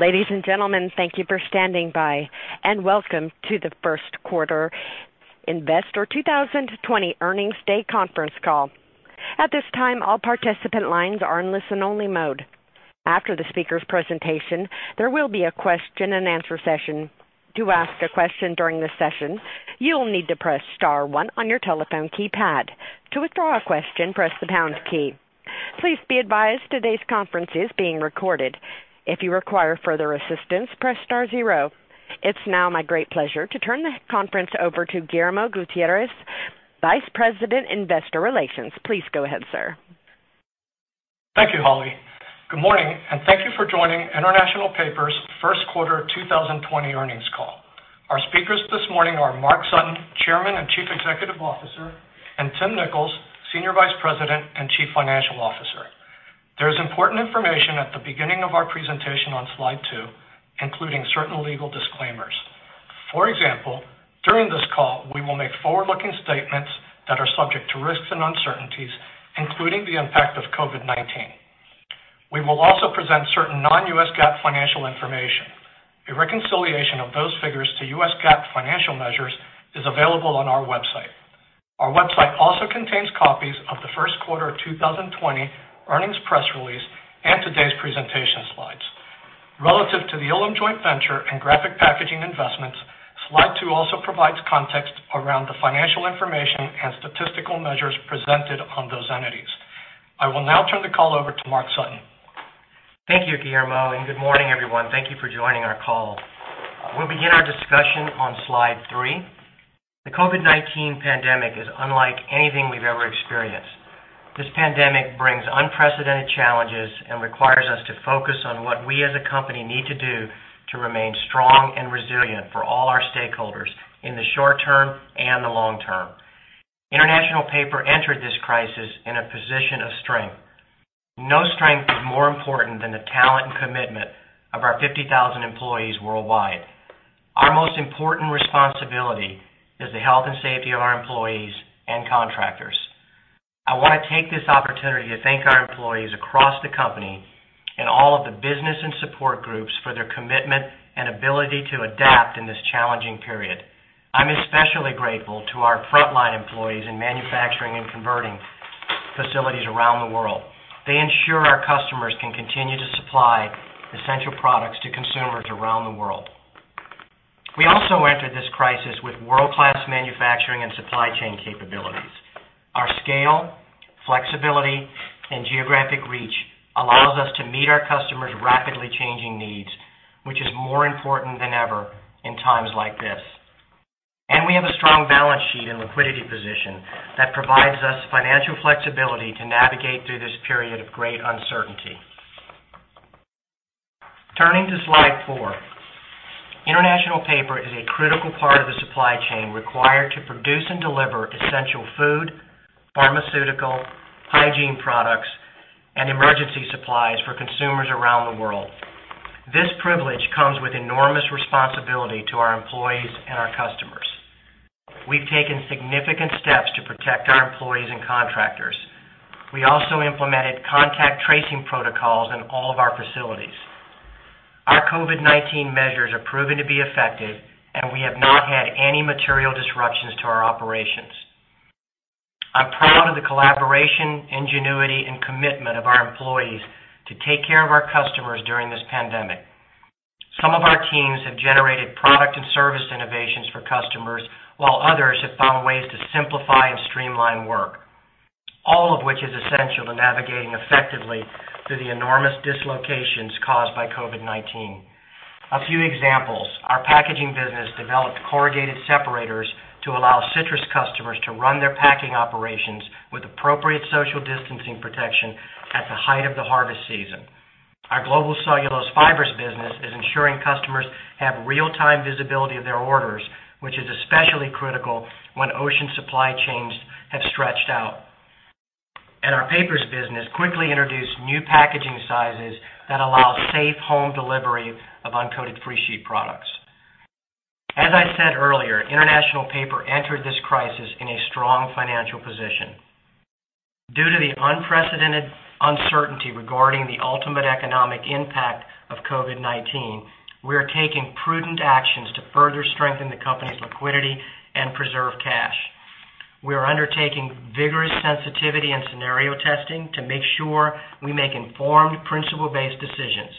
Ladies and gentlemen, thank you for standing by, and welcome to the first quarter International Paper 2020 Earnings Day conference call. At this time, all participant lines are in listen-only mode. After the speaker's presentation, there will be a question-and-answer session. To ask a question during this session, you'll need to press star one on your telephone keypad. To withdraw a question, press the pound key. Please be advised today's conference is being recorded. If you require further assistance, press star zero. It's now my great pleasure to turn the conference over to Guillermo Gutierrez, Vice President, Investor Relations. Please go ahead, sir. Thank you, Holly. Good morning, and thank you for joining International Paper's first quarter 2020 earnings call. Our speakers this morning are Mark Sutton, Chairman and Chief Executive Officer, and Tim Nicholls, Senior Vice President and Chief Financial Officer. There is important information at the beginning of our presentation on slide two, including certain legal disclaimers. For example, during this call, we will make forward-looking statements that are subject to risks and uncertainties, including the impact of COVID-19. We will also present certain non-U.S. GAAP financial information. A reconciliation of those figures to U.S. GAAP financial measures is available on our website. Our website also contains copies of the first quarter 2020 earnings press release and today's presentation slides. Relative to the Ilim Joint Venture and Graphic Packaging Investments, slide two also provides context around the financial information and statistical measures presented on those entities. I will now turn the call over to Mark Sutton. Thank you, Guillermo, and good morning, everyone. Thank you for joining our call. We'll begin our discussion on slide three. The COVID-19 pandemic is unlike anything we've ever experienced. This pandemic brings unprecedented challenges and requires us to focus on what we as a company need to do to remain strong and resilient for all our stakeholders in the short term and the long term. International Paper entered this crisis in a position of strength. No strength is more important than the talent and commitment of our 50,000 employees worldwide. Our most important responsibility is the health and safety of our employees and contractors. I want to take this opportunity to thank our employees across the company and all of the business and support groups for their commitment and ability to adapt in this challenging period. I'm especially grateful to our frontline employees in manufacturing and converting facilities around the world. They ensure our customers can continue to supply essential products to consumers around the world. We also entered this crisis with world-class manufacturing and supply chain capabilities. Our scale, flexibility, and geographic reach allows us to meet our customers' rapidly changing needs, which is more important than ever in times like this, and we have a strong balance sheet and liquidity position that provides us financial flexibility to navigate through this period of great uncertainty. Turning to slide four, International Paper is a critical part of the supply chain required to produce and deliver essential food, pharmaceutical, hygiene products, and emergency supplies for consumers around the world. This privilege comes with enormous responsibility to our employees and our customers. We've taken significant steps to protect our employees and contractors. We also implemented contact tracing protocols in all of our facilities. Our COVID-19 measures have proven to be effective, and we have not had any material disruptions to our operations. I'm proud of the collaboration, ingenuity, and commitment of our employees to take care of our customers during this pandemic. Some of our teams have generated product and service innovations for customers, while others have found ways to simplify and streamline work, all of which is essential to navigating effectively through the enormous dislocations caused by COVID-19. A few examples: our packaging business developed corrugated separators to allow citrus customers to run their packing operations with appropriate social distancing protection at the height of the harvest season. Our Global Cellulose fibers business is ensuring customers have real-time visibility of their orders, which is especially critical when ocean supply chains have stretched out. And our papers business quickly introduced new packaging sizes that allow safe home delivery of uncoated freesheet products. As I said earlier, International Paper entered this crisis in a strong financial position. Due to the unprecedented uncertainty regarding the ultimate economic impact of COVID-19, we are taking prudent actions to further strengthen the company's liquidity and preserve cash. We are undertaking vigorous sensitivity and scenario testing to make sure we make informed, principle-based decisions.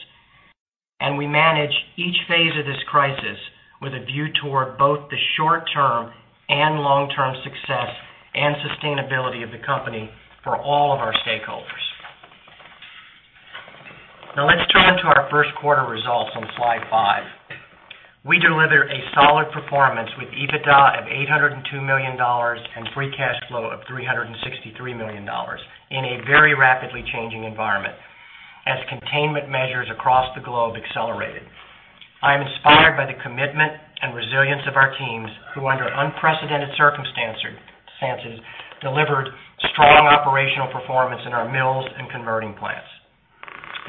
And we manage each phase of this crisis with a view toward both the short-term and long-term success and sustainability of the company for all of our stakeholders. Now, let's turn to our first quarter results on slide five. We delivered a solid performance with EBITDA of $802 million and free cash flow of $363 million in a very rapidly changing environment as containment measures across the globe accelerated. I am inspired by the commitment and resilience of our teams who, under unprecedented circumstances, delivered strong operational performance in our mills and converting plants.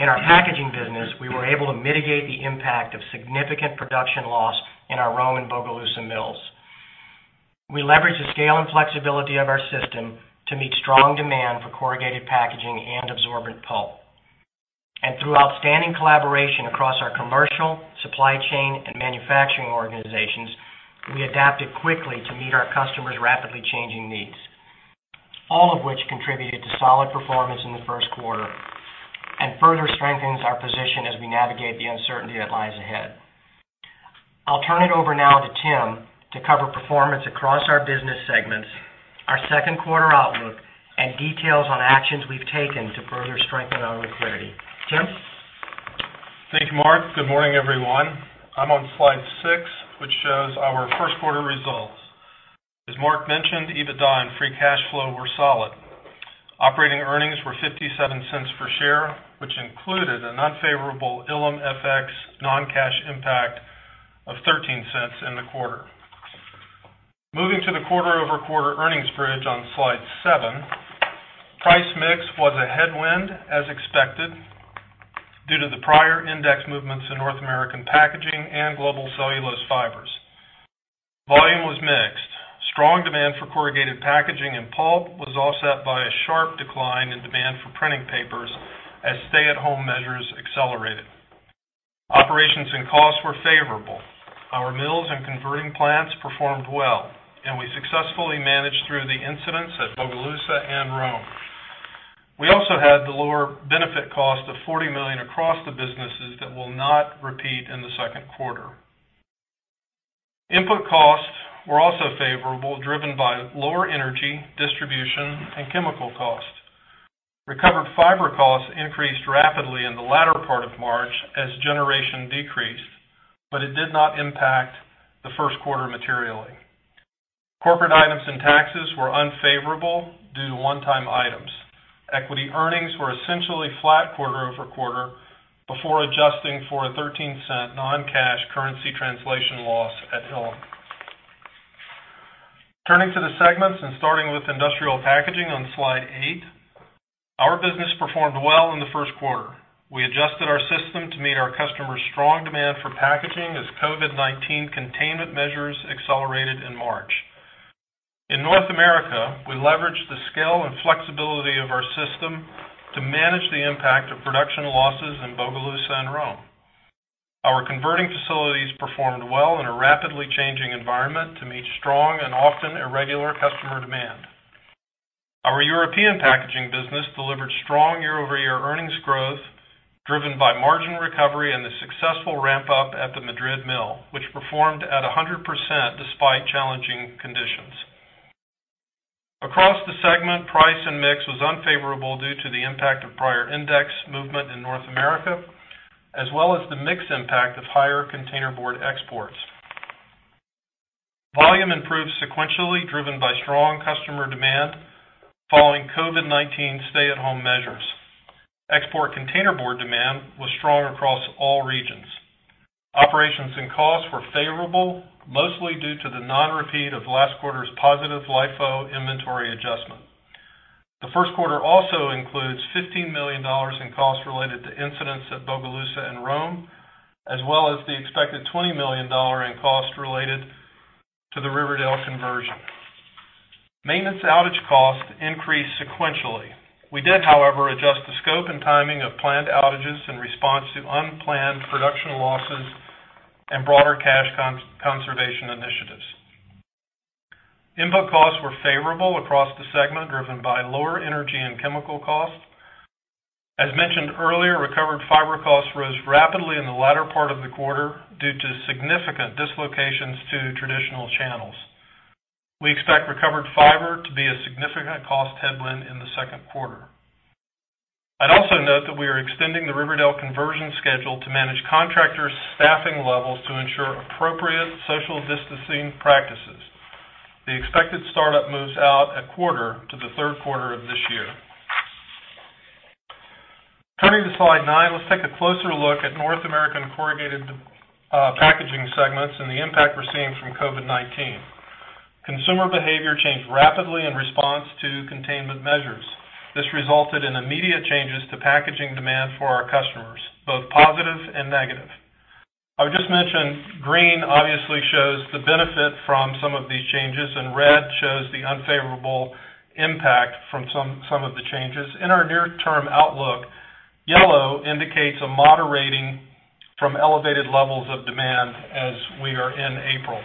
In our packaging business, we were able to mitigate the impact of significant production loss in our Rome and Bogalusa mills. We leveraged the scale and flexibility of our system to meet strong demand for corrugated packaging and absorbent pulp. And through outstanding collaboration across our commercial, supply chain, and manufacturing organizations, we adapted quickly to meet our customers' rapidly changing needs, all of which contributed to solid performance in the first quarter and further strengthened our position as we navigate the uncertainty that lies ahead. I'll turn it over now to Tim to cover performance across our business segments, our second quarter outlook, and details on actions we've taken to further strengthen our liquidity. Tim? Thank you, Mark. Good morning, everyone. I'm on slide six, which shows our first quarter results. As Mark mentioned, EBITDA and free cash flow were solid. Operating earnings were $0.57 per share, which included an unfavorable Ilim FX non-cash impact of $0.13 in the quarter. Moving to the quarter-over-quarter earnings bridge on slide seven, price mix was a headwind as expected due to the prior index movements in North American packaging and global cellulose fibers. Volume was mixed. Strong demand for corrugated packaging and pulp was offset by a sharp decline in demand for Printing Papers as stay-at-home measures accelerated. Operations and costs were favorable. Our mills and converting plants performed well, and we successfully managed through the incidents at Bogalusa and Rome. We also had the lower benefit cost of $40 million across the businesses that will not repeat in the second quarter. Input costs were also favorable, driven by lower energy, distribution, and chemical costs. Recovered fiber costs increased rapidly in the latter part of March as generation decreased, but it did not impact the first quarter materially. Corporate items and taxes were unfavorable due to one-time items. Equity earnings were essentially flat quarter-over-quarter before adjusting for a $0.13 non-cash currency translation loss at Ilim. Turning to the segments and starting with Industrial Packaging on slide eight, our business performed well in the first quarter. We adjusted our system to meet our customers' strong demand for packaging as COVID-19 containment measures accelerated in March. In North America, we leveraged the scale and flexibility of our system to manage the impact of production losses in Bogalusa and Rome. Our converting facilities performed well in a rapidly changing environment to meet strong and often irregular customer demand. Our European packaging business delivered strong year-over-year earnings growth driven by margin recovery and the successful ramp-up at the Madrid mill, which performed at 100% despite challenging conditions. Across the segment, price and mix was unfavorable due to the impact of prior index movement in North America, as well as the mixed impact of higher containerboard exports. Volume improved sequentially, driven by strong customer demand following COVID-19 stay-at-home measures. Export containerboard demand was strong across all regions. Operations and costs were favorable, mostly due to the non-repeat of last quarter's positive LIFO inventory adjustment. The first quarter also includes $15 million in costs related to incidents at Bogalusa and Rome, as well as the expected $20 million in costs related to the Riverdale conversion. Maintenance outage costs increased sequentially. We did, however, adjust the scope and timing of planned outages in response to unplanned production losses and broader cash conservation initiatives. Input costs were favorable across the segment, driven by lower energy and chemical costs. As mentioned earlier, recovered fiber costs rose rapidly in the latter part of the quarter due to significant dislocations to traditional channels. We expect recovered fiber to be a significant cost headwind in the second quarter. I'd also note that we are extending the Riverdale conversion schedule to manage contractors' staffing levels to ensure appropriate social distancing practices. The expected startup moves out a quarter to the third quarter of this year. Turning to slide nine, let's take a closer look at North American corrugated packaging segments and the impact we're seeing from COVID-19. Consumer behavior changed rapidly in response to containment measures. This resulted in immediate changes to packaging demand for our customers, both positive and negative. I would just mention green obviously shows the benefit from some of these changes, and red shows the unfavorable impact from some of the changes. In our near-term outlook, yellow indicates a moderating from elevated levels of demand as we are in April.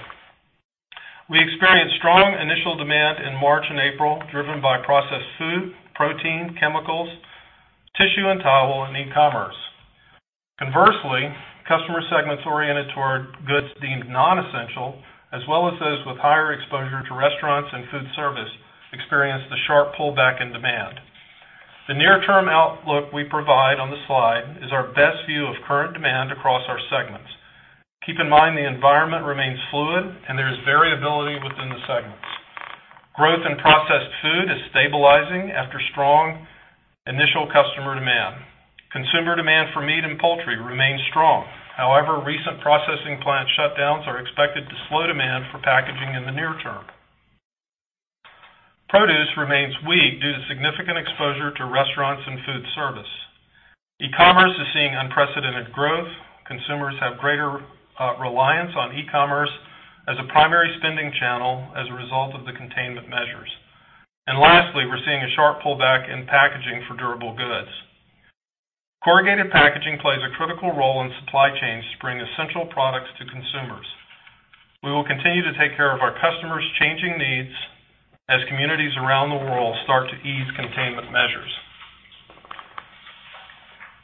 We experienced strong initial demand in March and April, driven by processed food, protein, chemicals, tissue, and towel in e-commerce. Conversely, customer segments oriented toward goods deemed non-essential, as well as those with higher exposure to restaurants and food service, experienced the sharp pullback in demand. The near-term outlook we provide on the slide is our best view of current demand across our segments. Keep in mind the environment remains fluid, and there is variability within the segments. Growth in processed food is stabilizing after strong initial customer demand. Consumer demand for meat and poultry remains strong. However, recent processing plant shutdowns are expected to slow demand for packaging in the near term. Produce remains weak due to significant exposure to restaurants and food service. E-commerce is seeing unprecedented growth. Consumers have greater reliance on e-commerce as a primary spending channel as a result of the containment measures. And lastly, we're seeing a sharp pullback in packaging for durable goods. Corrugated packaging plays a critical role in supply chains to bring essential products to consumers. We will continue to take care of our customers' changing needs as communities around the world start to ease containment measures.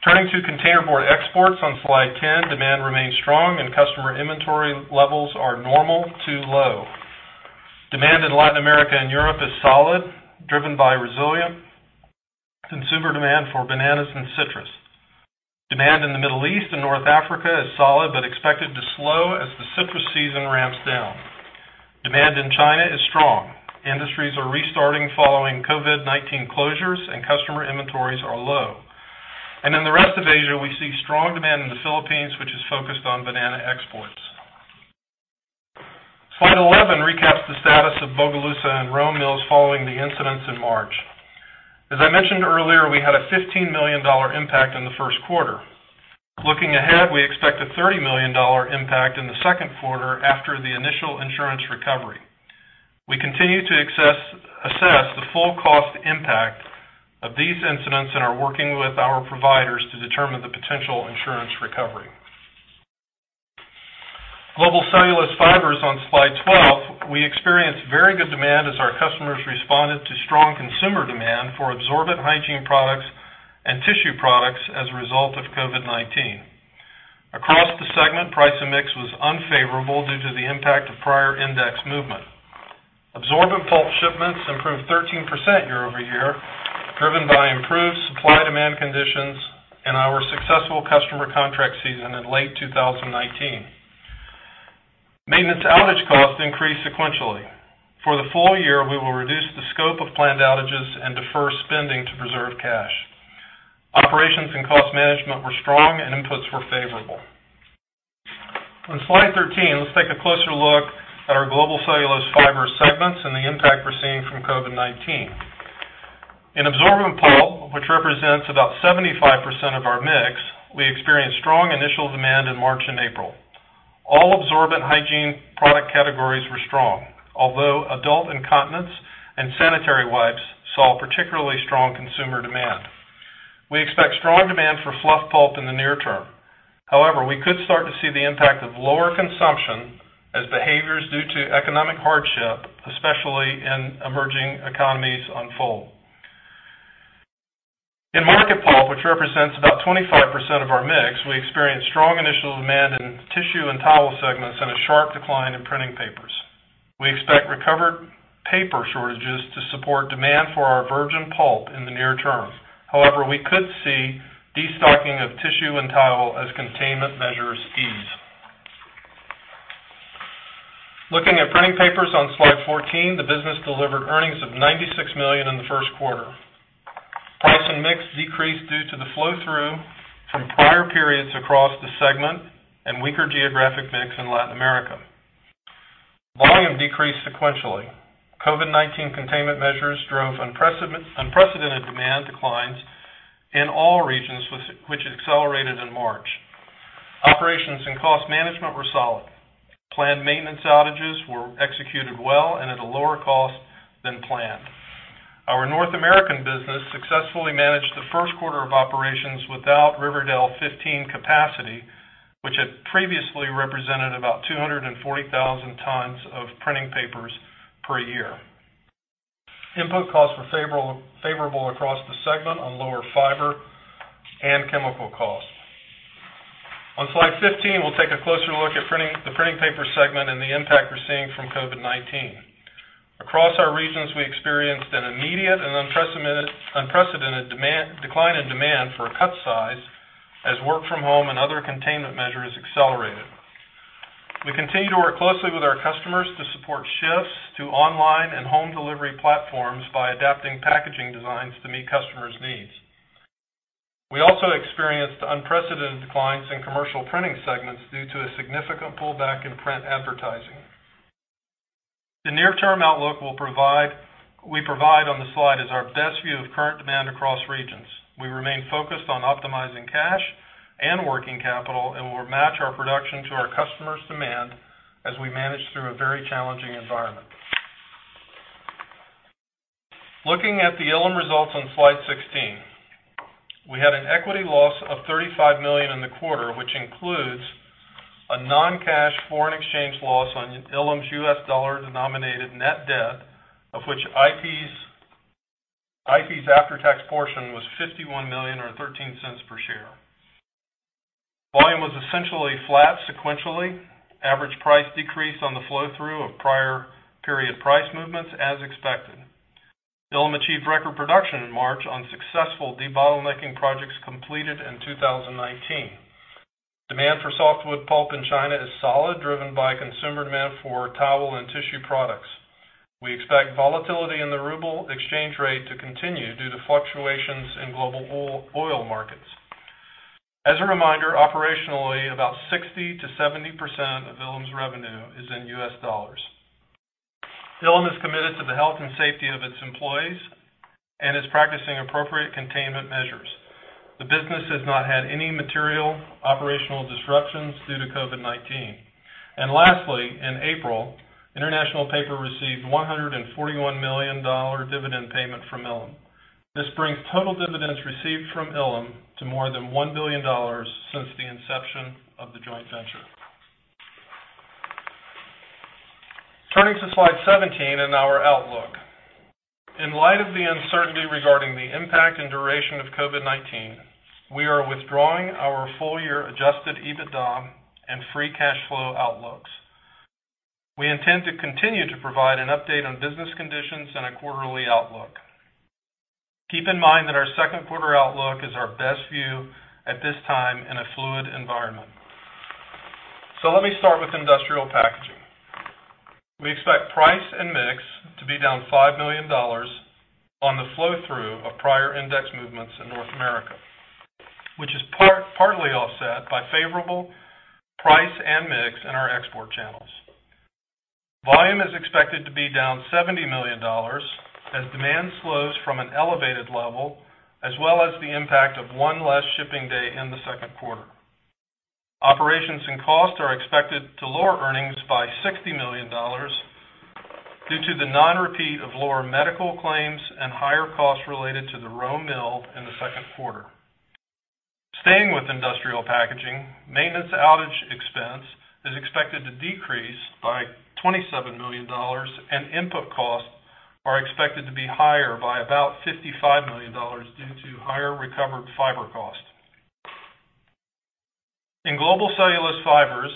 Turning to containerboard exports on slide 10, demand remains strong, and customer inventory levels are normal to low. Demand in Latin America and Europe is solid, driven by resilient consumer demand for bananas and citrus. Demand in the Middle East and North Africa is solid but expected to slow as the citrus season ramps down. Demand in China is strong. Industries are restarting following COVID-19 closures, and customer inventories are low. And in the rest of Asia, we see strong demand in the Philippines, which is focused on banana exports. Slide 11 recaps the status of Bogalusa and Rome mills following the incidents in March. As I mentioned earlier, we had a $15 million impact in the first quarter. Looking ahead, we expect a $30 million impact in the second quarter after the initial insurance recovery. We continue to assess the full cost impact of these incidents and are working with our providers to determine the potential insurance recovery. Global cellulose fibers on slide 12, we experienced very good demand as our customers responded to strong consumer demand for absorbent hygiene products and tissue products as a result of COVID-19. Across the segment, price and mix was unfavorable due to the impact of prior index movement. Absorbent pulp shipments improved 13% year-over-year, driven by improved supply-demand conditions and our successful customer contract season in late 2019. Maintenance outage costs increased sequentially. For the full year, we will reduce the scope of planned outages and defer spending to preserve cash. Operations and cost management were strong, and inputs were favorable. On slide 13, let's take a closer look at our global cellulose fiber segments and the impact we're seeing from COVID-19. In absorbent pulp, which represents about 75% of our mix, we experienced strong initial demand in March and April. All absorbent hygiene product categories were strong, although adult incontinence and sanitary wipes saw particularly strong consumer demand. We expect strong demand for fluff pulp in the near term. However, we could start to see the impact of lower consumption as behaviors due to economic hardship, especially in emerging economies, unfold. In market pulp, which represents about 25% of our mix, we experienced strong initial demand in tissue and towel segments and a sharp decline in printing papers. We expect recovered paper shortages to support demand for our virgin pulp in the near term. However, we could see destocking of tissue and towel as containment measures ease. Looking at printing papers on slide 14, the business delivered earnings of $96 million in the first quarter. Price and mix decreased due to the flow-through from prior periods across the segment and weaker geographic mix in Latin America. Volume decreased sequentially. COVID-19 containment measures drove unprecedented demand declines in all regions, which accelerated in March. Operations and cost management were solid. Planned maintenance outages were executed well and at a lower cost than planned. Our North American business successfully managed the first quarter of operations without Riverdale 15 capacity, which had previously represented about 240,000 tons of printing papers per year. Input costs were favorable across the segment on lower fiber and chemical costs. On slide 15, we'll take a closer look at the printing paper segment and the impact we're seeing from COVID-19. Across our regions, we experienced an immediate and unprecedented decline in demand for cut-size as work-from-home and other containment measures accelerated. We continue to work closely with our customers to support shifts to online and home delivery platforms by adapting packaging designs to meet customers' needs. We also experienced unprecedented declines in commercial printing segments due to a significant pullback in print advertising. The near-term outlook we provide on the slide is our best view of current demand across regions. We remain focused on optimizing cash and working capital and will match our production to our customers' demand as we manage through a very challenging environment. Looking at the Ilim results on slide 16, we had an equity loss of $35 million in the quarter, which includes a non-cash foreign exchange loss on Ilim's U.S. dollar-denominated net debt, of which IP's after-tax portion was $51 million or $0.13 per share. Volume was essentially flat sequentially. Average price decreased on the flow-through of prior period price movements as expected. Ilim achieved record production in March on successful debottlenecking projects completed in 2019. Demand for softwood pulp in China is solid, driven by consumer demand for towel and tissue products. We expect volatility in the ruble exchange rate to continue due to fluctuations in global oil markets. As a reminder, operationally, about 60%-70% of Ilim's revenue is in US dollars. Ilim is committed to the health and safety of its employees and is practicing appropriate containment measures. The business has not had any material operational disruptions due to COVID-19. And lastly, in April, International Paper received a $141 million dividend payment from Ilim. This brings total dividends received from Ilim to more than $1 billion since the inception of the joint venture. Turning to slide 17 in our outlook. In light of the uncertainty regarding the impact and duration of COVID-19, we are withdrawing our full-year Adjusted EBITDA and free cash flow outlooks. We intend to continue to provide an update on business conditions and a quarterly outlook. Keep in mind that our second quarter outlook is our best view at this time in a fluid environment, so let me start with industrial packaging. We expect price and mix to be down $5 million on the flow-through of prior index movements in North America, which is partly offset by favorable price and mix in our export channels. Volume is expected to be down $70 million as demand slows from an elevated level, as well as the impact of one less shipping day in the second quarter. Operations and costs are expected to lower earnings by $60 million due to the non-repeat of lower medical claims and higher costs related to the Rome mill in the second quarter. Staying with industrial packaging, maintenance outage expense is expected to decrease by $27 million, and input costs are expected to be higher by about $55 million due to higher recovered fiber costs. In global cellulose fibers,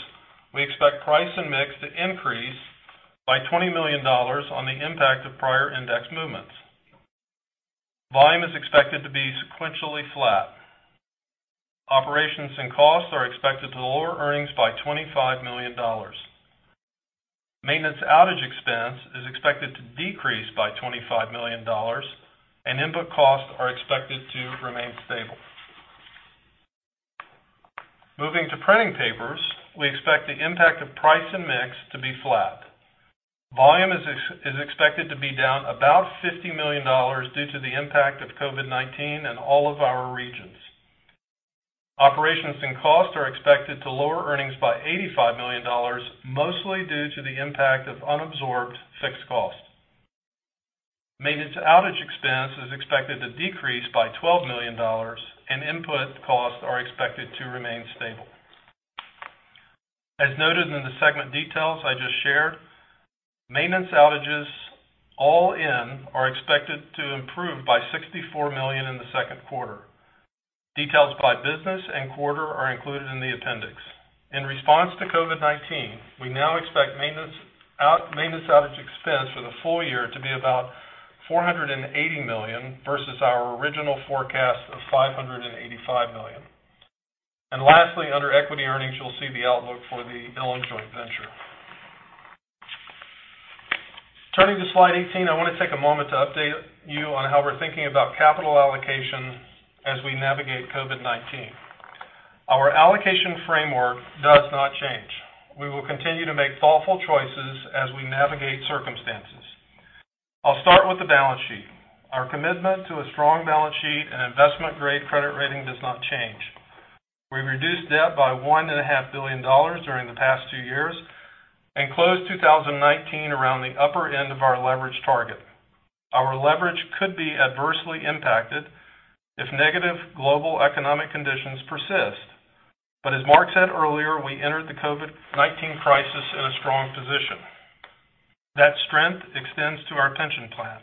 we expect price and mix to increase by $20 million on the impact of prior index movements. Volume is expected to be sequentially flat. Operations and costs are expected to lower earnings by $25 million. Maintenance outage expense is expected to decrease by $25 million, and input costs are expected to remain stable. Moving to printing papers, we expect the impact of price and mix to be flat. Volume is expected to be down about $50 million due to the impact of COVID-19 in all of our regions. Operations and costs are expected to lower earnings by $85 million, mostly due to the impact of unabsorbed fixed costs. Maintenance outage expense is expected to decrease by $12 million, and input costs are expected to remain stable. As noted in the segment details I just shared, maintenance outages all in are expected to improve by $64 million in the second quarter. Details by business and quarter are included in the appendix. In response to COVID-19, we now expect maintenance outage expense for the full year to be about $480 million versus our original forecast of $585 million, and lastly, under equity earnings, you'll see the outlook for the Ilim joint venture. Turning to slide 18, I want to take a moment to update you on how we're thinking about capital allocation as we navigate COVID-19. Our allocation framework does not change. We will continue to make thoughtful choices as we navigate circumstances. I'll start with the balance sheet. Our commitment to a strong balance sheet and investment-grade credit rating does not change. We've reduced debt by $1.5 billion during the past two years and closed 2019 around the upper end of our leverage target. Our leverage could be adversely impacted if negative global economic conditions persist. But as Mark said earlier, we entered the COVID-19 crisis in a strong position. That strength extends to our pension plan.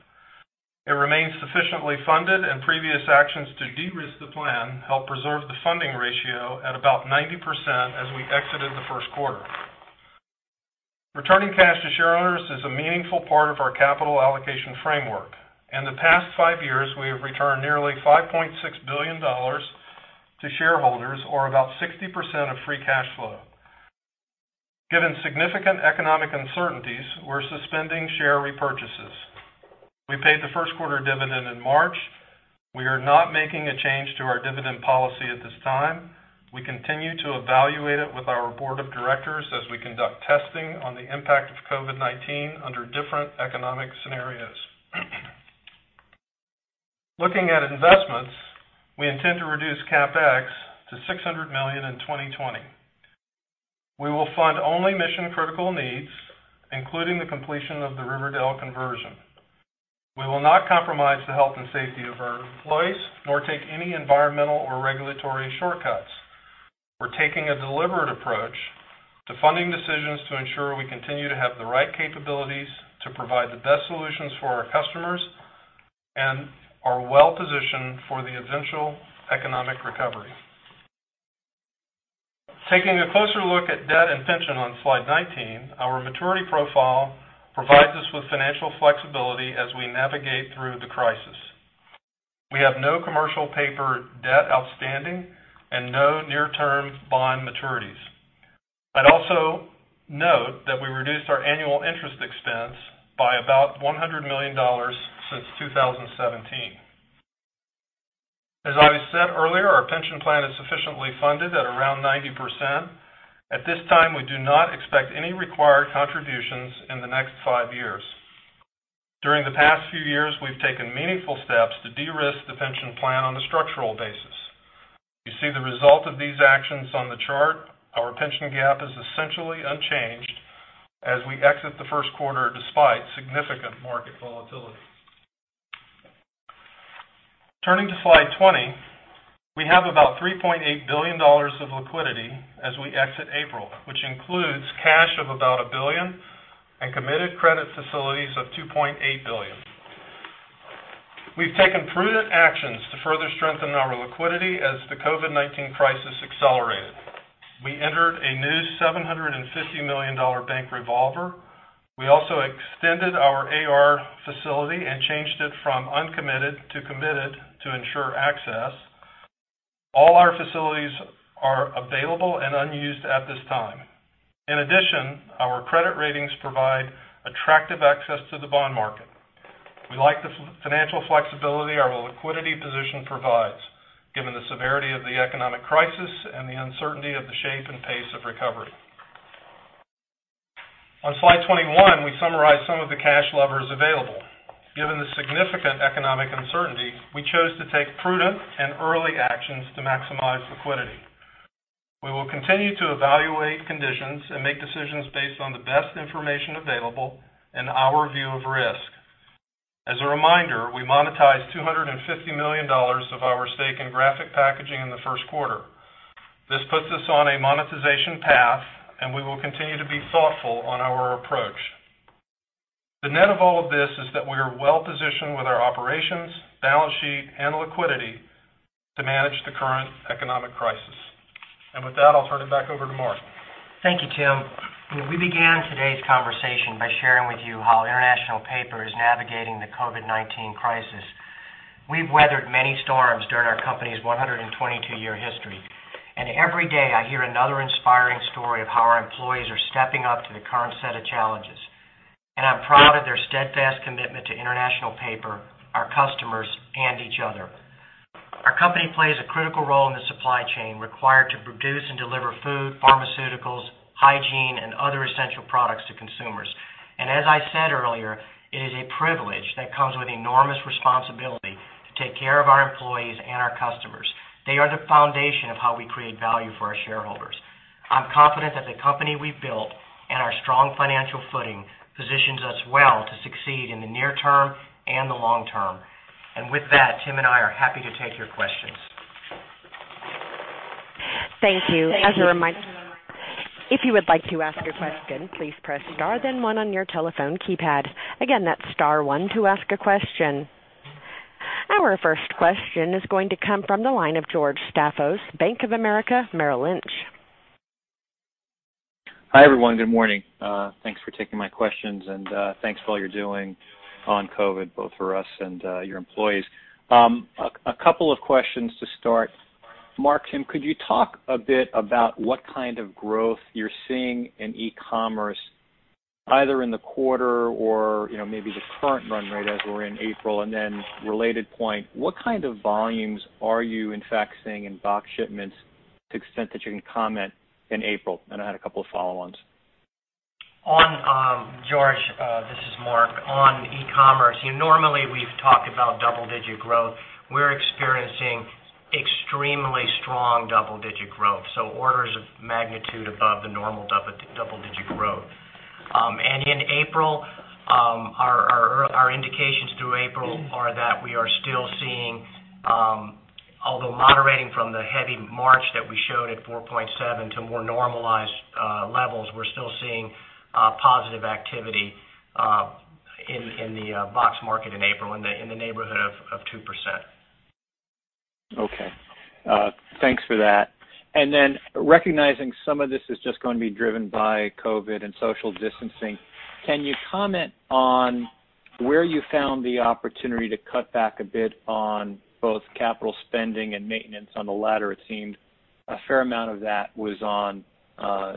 It remains sufficiently funded, and previous actions to de-risk the plan help preserve the funding ratio at about 90% as we exited the first quarter. Returning cash to shareholders is a meaningful part of our capital allocation framework. In the past five years, we have returned nearly $5.6 billion to shareholders, or about 60% of free cash flow. Given significant economic uncertainties, we're suspending share repurchases. We paid the first quarter dividend in March. We are not making a change to our dividend policy at this time. We continue to evaluate it with our board of directors as we conduct testing on the impact of COVID-19 under different economic scenarios. Looking at investments, we intend to reduce CapEx to $600 million in 2020. We will fund only mission-critical needs, including the completion of the Riverdale conversion. We will not compromise the health and safety of our employees nor take any environmental or regulatory shortcuts. We're taking a deliberate approach to funding decisions to ensure we continue to have the right capabilities to provide the best solutions for our customers and are well-positioned for the eventual economic recovery. Taking a closer look at debt and pension on slide 19, our maturity profile provides us with financial flexibility as we navigate through the crisis. We have no commercial paper debt outstanding and no near-term bond maturities. I'd also note that we reduced our annual interest expense by about $100 million since 2017. As I said earlier, our pension plan is sufficiently funded at around 90%. At this time, we do not expect any required contributions in the next five years. During the past few years, we've taken meaningful steps to de-risk the pension plan on a structural basis. You see the result of these actions on the chart. Our pension gap is essentially unchanged as we exit the first quarter despite significant market volatility. Turning to slide 20, we have about $3.8 billion of liquidity as we exit April, which includes cash of about $1 billion and committed credit facilities of $2.8 billion. We've taken prudent actions to further strengthen our liquidity as the COVID-19 crisis accelerated. We entered a new $750 million bank revolver. We also extended our AR facility and changed it from uncommitted to committed to ensure access. All our facilities are available and unused at this time. In addition, our credit ratings provide attractive access to the bond market. We like the financial flexibility our liquidity position provides, given the severity of the economic crisis and the uncertainty of the shape and pace of recovery. On slide 21, we summarize some of the cash levers available. Given the significant economic uncertainty, we chose to take prudent and early actions to maximize liquidity. We will continue to evaluate conditions and make decisions based on the best information available and our view of risk. As a reminder, we monetized $250 million of our stake in Graphic Packaging in the first quarter. This puts us on a monetization path, and we will continue to be thoughtful on our approach. The net of all of this is that we are well-positioned with our operations, balance sheet, and liquidity to manage the current economic crisis. And with that, I'll turn it back over to Mark. Thank you, Tim. We began today's conversation by sharing with you how International Paper is navigating the COVID-19 crisis. We've weathered many storms during our company's 122-year history, and every day I hear another inspiring story of how our employees are stepping up to the current set of challenges. And I'm proud of their steadfast commitment to International Paper, our customers, and each other. Our company plays a critical role in the supply chain required to produce and deliver food, pharmaceuticals, hygiene, and other essential products to consumers. And as I said earlier, it is a privilege that comes with enormous responsibility to take care of our employees and our customers. They are the foundation of how we create value for our shareholders. I'm confident that the company we've built and our strong financial footing positions us well to succeed in the near term and the long term, and with that, Tim and I are happy to take your questions. Thank you. As a reminder, if you would like to ask a question, please press star then one on your telephone keypad. Again, that's star one to ask a question. Our first question is going to come from the line of George Staphos, Bank of America Merrill Lynch. Hi everyone. Good morning. Thanks for taking my questions, and thanks for all you're doing on COVID, both for us and your employees. A couple of questions to start. Mark, Tim, could you talk a bit about what kind of growth you're seeing in e-commerce, either in the quarter or maybe the current run rate as we're in April? And then related point, what kind of volumes are you, in fact, seeing in box shipments to the extent that you can comment in April? And I had a couple of follow-ons. George, this is Mark. On e-commerce, normally we've talked about double-digit growth. We're experiencing extremely strong double-digit growth, so orders of magnitude above the normal double-digit growth. And in April, our indications through April are that we are still seeing, although moderating from the heavy March that we showed at 4.7% to more normalized levels, we're still seeing positive activity in the box market in April in the neighborhood of 2%. Okay. Thanks for that. And then, recognizing some of this is just going to be driven by COVID and social distancing, can you comment on where you found the opportunity to cut back a bit on both capital spending and maintenance? On the latter, it seemed a fair amount of that was on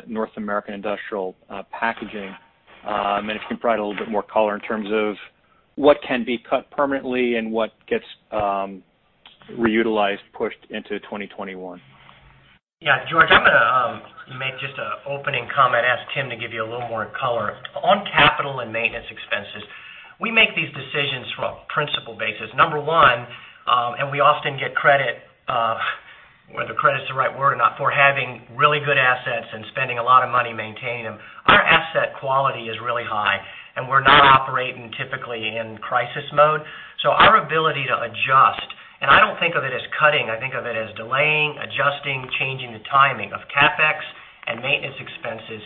North American industrial packaging, and if you can provide a little bit more color in terms of what can be cut permanently and what gets reutilized, pushed into 2021. Yeah. George, I'm going to make just an opening comment, ask Tim to give you a little more color. On capital and maintenance expenses, we make these decisions from a principled basis. Number one, and we often get credit, whether credit's the right word or not, for having really good assets and spending a lot of money maintaining them. Our asset quality is really high, and we're not operating typically in crisis mode. So our ability to adjust, and I don't think of it as cutting. I think of it as delaying, adjusting, changing the timing of CapEx and maintenance expenses.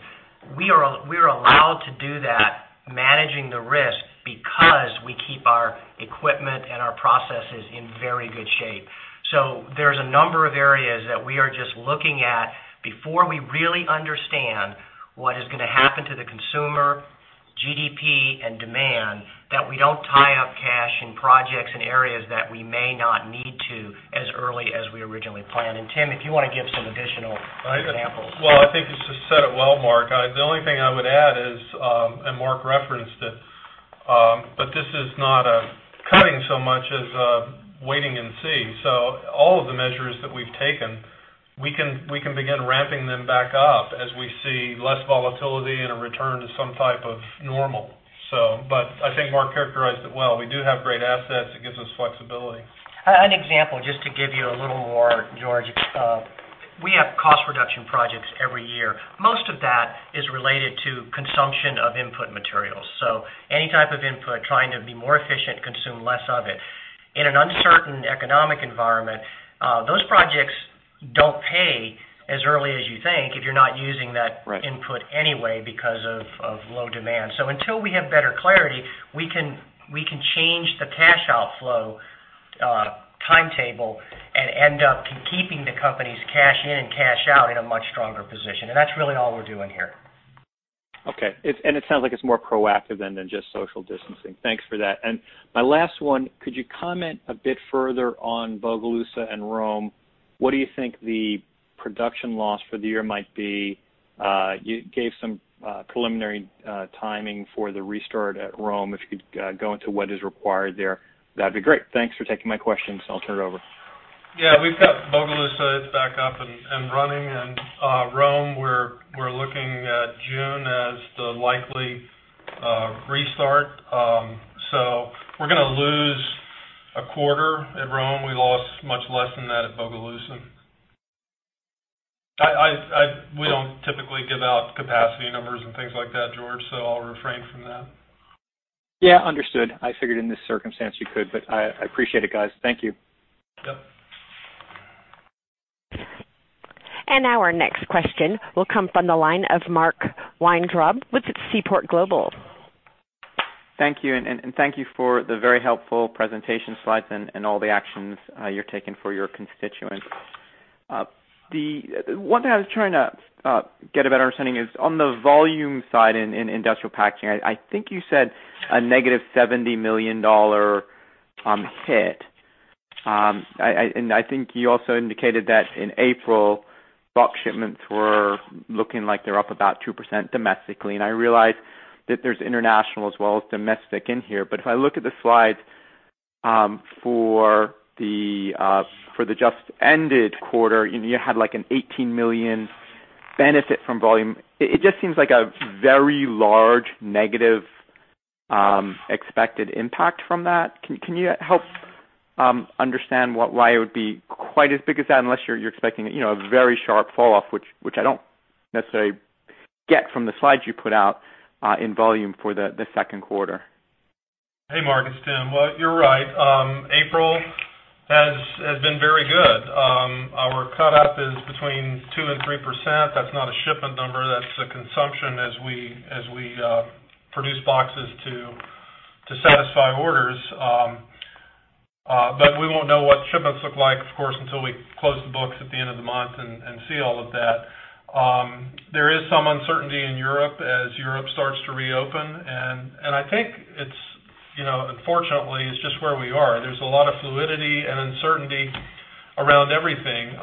We are allowed to do that, managing the risk because we keep our equipment and our processes in very good shape. So there's a number of areas that we are just looking at before we really understand what is going to happen to the consumer, GDP, and demand that we don't tie up cash in projects and areas that we may not need to as early as we originally planned. And Tim, if you want to give some additional examples. Well, I think you just said it well, Mark. The only thing I would add is, and Mark referenced it, but this is not a cutting so much as a wait-and-see. So all of the measures that we've taken, we can begin ramping them back up as we see less volatility and a return to some type of normal. But I think Mark characterized it well. We do have great assets. It gives us flexibility. An example, just to give you a little more, George, we have cost reduction projects every year. Most of that is related to consumption of input materials. So any type of input, trying to be more efficient, consume less of it. In an uncertain economic environment, those projects don't pay as early as you think if you're not using that input anyway because of low demand. So until we have better clarity, we can change the cash outflow timetable and end up keeping the company's cash in and cash out in a much stronger position. And that's really all we're doing here. Okay. And it sounds like it's more proactive than just social distancing. Thanks for that. And my last one, could you comment a bit further on Bogalusa and Rome? What do you think the production loss for the year might be? You gave some preliminary timing for the restart at Rome. If you could go into what is required there, that'd be great. Thanks for taking my questions. I'll turn it over. Yeah. We've got Bogalusa back up and running. And Rome, we're looking at June as the likely restart. So we're going to lose a quarter at Rome. We lost much less than that at Bogalusa. We don't typically give out capacity numbers and things like that, George, so I'll refrain from that. Yeah. Understood. I figured in this circumstance you could, but I appreciate it, guys. Thank you. Yep. And our next question will come from the line of Mark Weintraub with Seaport Global. Thank you. And thank you for the very helpful presentation slides and all the actions you're taking for your constituents. One thing I was trying to get a better understanding is on the volume side in industrial packaging. I think you said a negative $70 million hit. And I think you also indicated that in April, box shipments were looking like they're up about 2% domestically. And I realize that there's international as well as domestic in here. But if I look at the slides for the just-ended quarter, you had like an $18 million benefit from volume. It just seems like a very large negative expected impact from that. Can you help understand why it would be quite as big as that unless you're expecting a very sharp falloff, which I don't necessarily get from the slides you put out in volume for the second quarter? Hey, Mark and Tim. Well, you're right. April has been very good. Our cut-up is between 2% and 3%. That's not a shipment number. That's a consumption as we produce boxes to satisfy orders. But we won't know what shipments look like, of course, until we close the books at the end of the month and see all of that. There is some uncertainty in Europe as Europe starts to reopen. And I think, unfortunately, it's just where we are. There's a lot of fluidity and uncertainty around everything.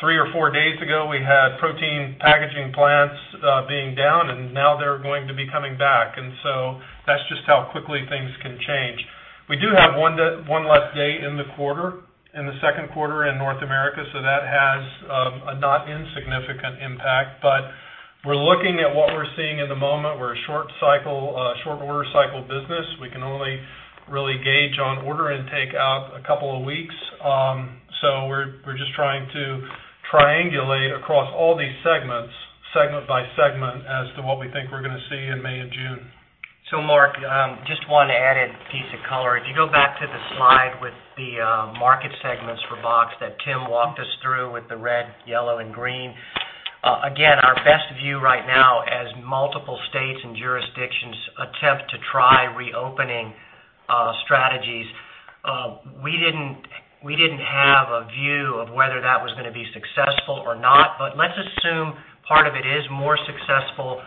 Three or four days ago, we had protein packaging plants being down, and now they're going to be coming back. And so that's just how quickly things can change. We do have one less day in the quarter, in the second quarter in North America, so that has a not insignificant impact. But we're looking at what we're seeing in the moment. We're a short-order cycle business. We can only really gauge on order intake out a couple of weeks. So we're just trying to triangulate across all these segments, segment by segment, as to what we think we're going to see in May and June. So, Mark, just one added piece of color. If you go back to the slide with the market segments for box that Tim walked us through with the red, yellow, and green, again, our best view right now as multiple states and jurisdictions attempt to try reopening strategies, we didn't have a view of whether that was going to be successful or not. But let's assume part of it is more successful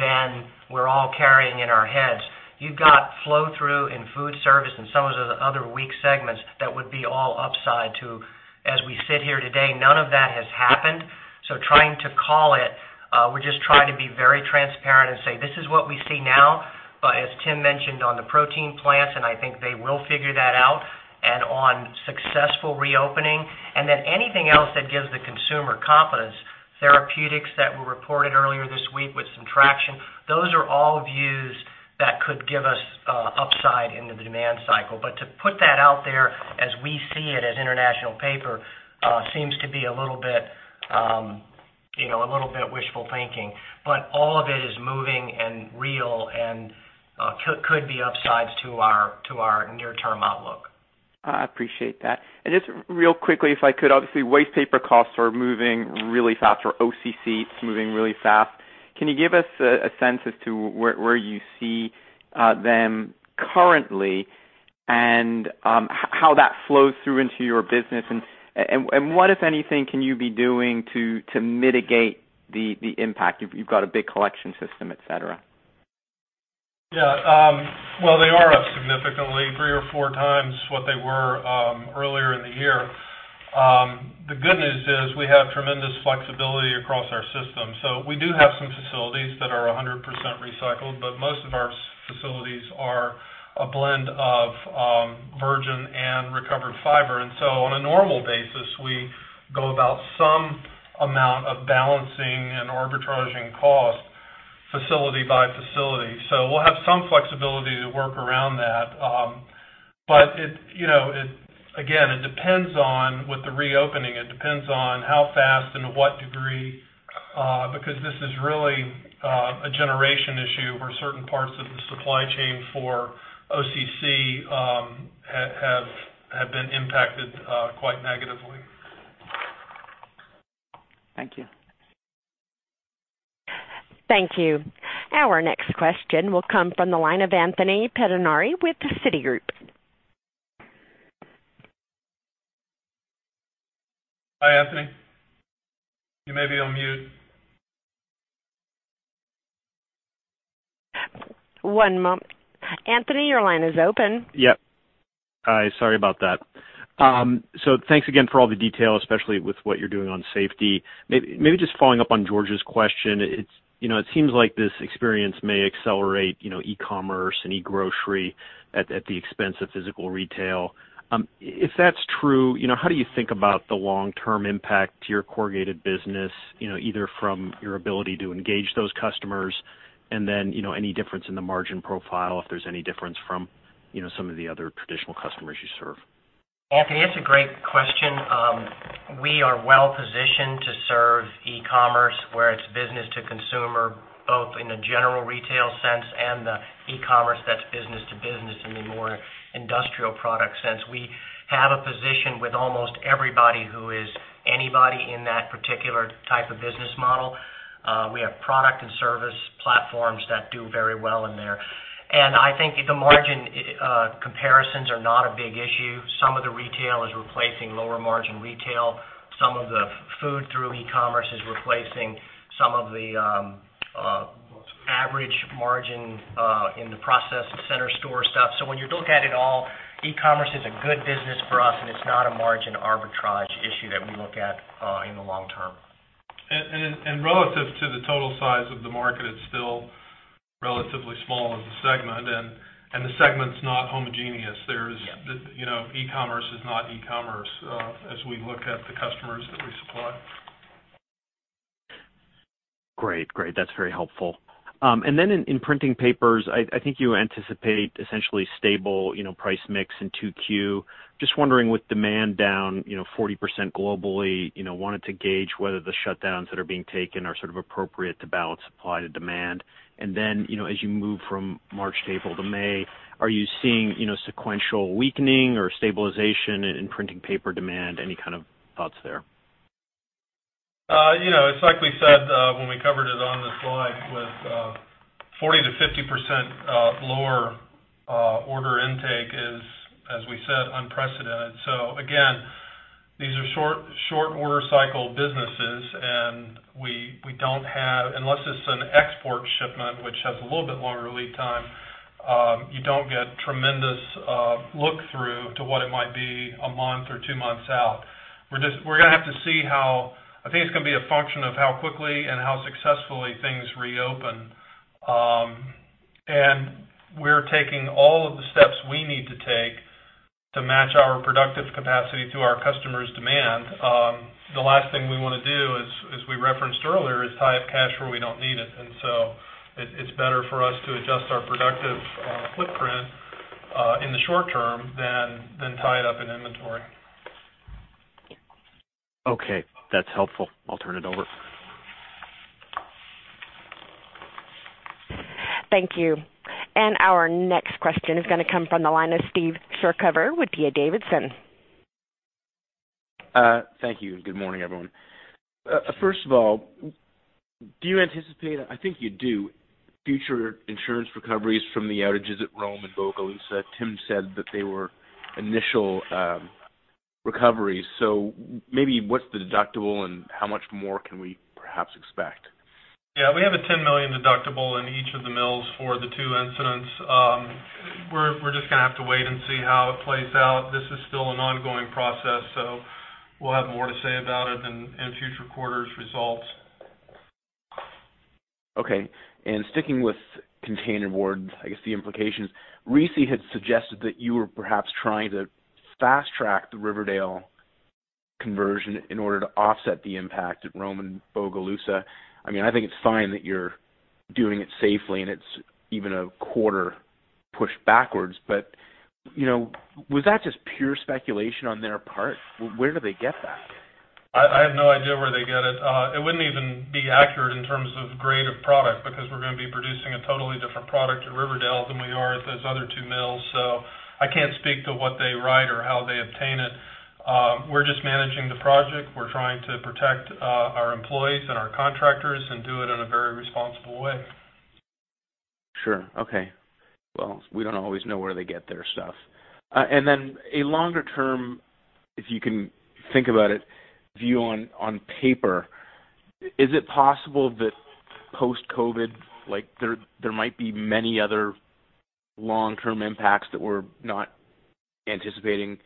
than we're all carrying in our heads. You've got flow-through in food service and some of the other weak segments that would be all upside to as we sit here today. None of that has happened. Trying to call it, we're just trying to be very transparent and say, "This is what we see now." But as Tim mentioned on the protein plants, and I think they will figure that out, and on successful reopening, and then anything else that gives the consumer confidence, therapeutics that were reported earlier this week with some traction, those are all views that could give us upside into the demand cycle. But to put that out there as we see it as International Paper seems to be a little bit wishful thinking. But all of it is moving and real and could be upsides to our near-term outlook. I appreciate that. And just real quickly, if I could, obviously, waste paper costs are moving really fast, or OCC is moving really fast. Can you give us a sense as to where you see them currently and how that flows through into your business? And what, if anything, can you be doing to mitigate the impact? You've got a big collection system, etc. Yeah. Well, they are up significantly, three or four times what they were earlier in the year. The good news is we have tremendous flexibility across our system. So we do have some facilities that are 100% recycled, but most of our facilities are a blend of virgin and recovered fiber. And so on a normal basis, we go about some amount of balancing and arbitraging costs facility by facility. So we'll have some flexibility to work around that. But again, it depends on the reopening. It depends on how fast and to what degree, because this is really a generation issue where certain parts of the supply chain for OCC have been impacted quite negatively. Thank you. Thank you. Our next question will come from the line of Anthony Pettinari with Citigroup. Hi, Anthony. You may be on mute. One moment. Anthony, your line is open. Yep. Hi. Sorry about that. So thanks again for all the detail, especially with what you're doing on safety. Maybe just following up on George's question, it seems like this experience may accelerate e-commerce and e-grocery at the expense of physical retail. If that's true, how do you think about the long-term impact to your corrugated business, either from your ability to engage those customers and then any difference in the margin profile, if there's any difference from some of the other traditional customers you serve? Anthony, that's a great question. We are well-positioned to serve e-commerce where it's business to consumer, both in the general retail sense and the e-commerce that's business to business in the more industrial product sense. We have a position with almost everybody who is anybody in that particular type of business model. We have product and service platforms that do very well in there. And I think the margin comparisons are not a big issue. Some of the retail is replacing lower margin retail. Some of the food-through e-commerce is replacing some of the average margin in the process center store stuff. So when you look at it all, e-commerce is a good business for us, and it's not a margin arbitrage issue that we look at in the long term. And relative to the total size of the market, it's still relatively small as a segment. And the segment's not homogeneous. E-commerce is not e-commerce as we look at the customers that we supply. Great. Great. That's very helpful. And then in printing papers, I think you anticipate essentially stable price mix in 2Q. Just wondering, with demand down 40% globally, wanted to gauge whether the shutdowns that are being taken are sort of appropriate to balance supply to demand. And then as you move from March to April to May, are you seeing sequential weakening or stabilization in printing paper demand? Any kind of thoughts there? It's like we said when we covered it on the slide with 40%-50% lower order intake is, as we said, unprecedented. So again, these are short-order cycle businesses, and we don't have, unless it's an export shipment, which has a little bit longer lead time, you don't get tremendous look-through to what it might be a month or two months out. We're going to have to see how I think it's going to be a function of how quickly and how successfully things reopen. And we're taking all of the steps we need to take to match our productive capacity to our customers' demand. The last thing we want to do, as we referenced earlier, is tie up cash where we don't need it. And so it's better for us to adjust our productive footprint in the short term than tie it up in inventory. Okay. That's helpful. I'll turn it over. Thank you. And our next question is going to come from the line of Steve Chercover with D.A. Davidson. Thank you. And good morning, everyone. First of all, do you anticipate (I think you do) future insurance recoveries from the outages at Rome and Bogalusa? Tim said that they were initial recoveries. So maybe what's the deductible and how much more can we perhaps expect? Yeah. We have a $10 million deductible in each of the mills for the two incidents. We're just going to have to wait and see how it plays out. This is still an ongoing process, so we'll have more to say about it in future quarters' results. Okay. And sticking with containerboard, I guess the implications. RISI had suggested that you were perhaps trying to fast-track the Riverdale conversion in order to offset the impact at Rome and Bogalusa. I mean, I guess it's fine that you're doing it safely, and it's even a quarter pushed backwards. But was that just pure speculation on their part? Where do they get that? I have no idea where they get it. It wouldn't even be accurate in terms of grade of product because we're going to be producing a totally different product at Riverdale than we are at those other two mills. So I can't speak to what they write or how they obtain it. We're just managing the project. We're trying to protect our employees and our contractors and do it in a very responsible way. Sure. Okay. Well, we don't always know where they get their stuff. And then a longer-term, if you can think about it, view on paper, is it possible that post-COVID, there might be many other long-term impacts that we're not anticipating?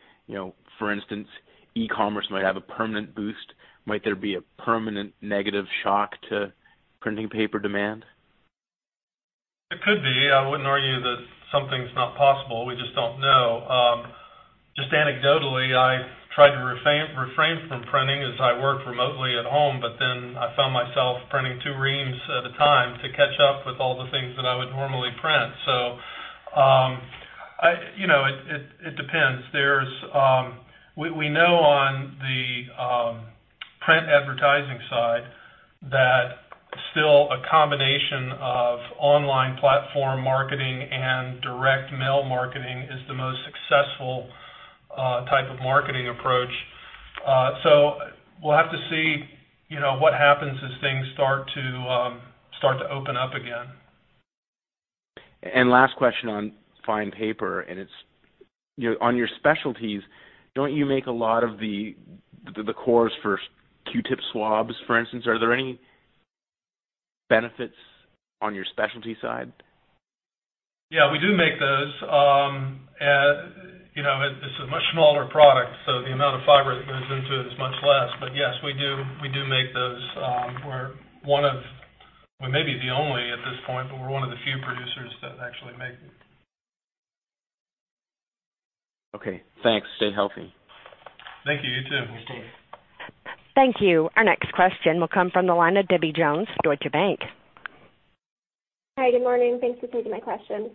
For instance, e-commerce might have a permanent boost. Might there be a permanent negative shock to printing paper demand? It could be. I wouldn't argue that something's not possible. We just don't know. Just anecdotally, I tried to refrain from printing as I worked remotely at home, but then I found myself printing two reams at a time to catch up with all the things that I would normally print. So it depends. We know on the print advertising side that still a combination of online platform marketing and direct mill marketing is the most successful type of marketing approach. So we'll have to see what happens as things start to open up again. Last question on fine paper, and it's on your specialties. Don't you make a lot of the cores for Q-tip swabs, for instance? Are there any benefits on your specialty side? Yeah. We do make those. It's a much smaller product, so the amount of fiber that goes into it is much less. But yes, we do make those. We're one of—we may be the only at this point, but we're one of the few producers that actually make them. Okay. Thanks. Stay healthy. Thank you. You too. Thank you, Steve. Thank you. Our next question will come from the line of Debbie Jones, Deutsche Bank. Hi. Good morning. Thanks for taking my question.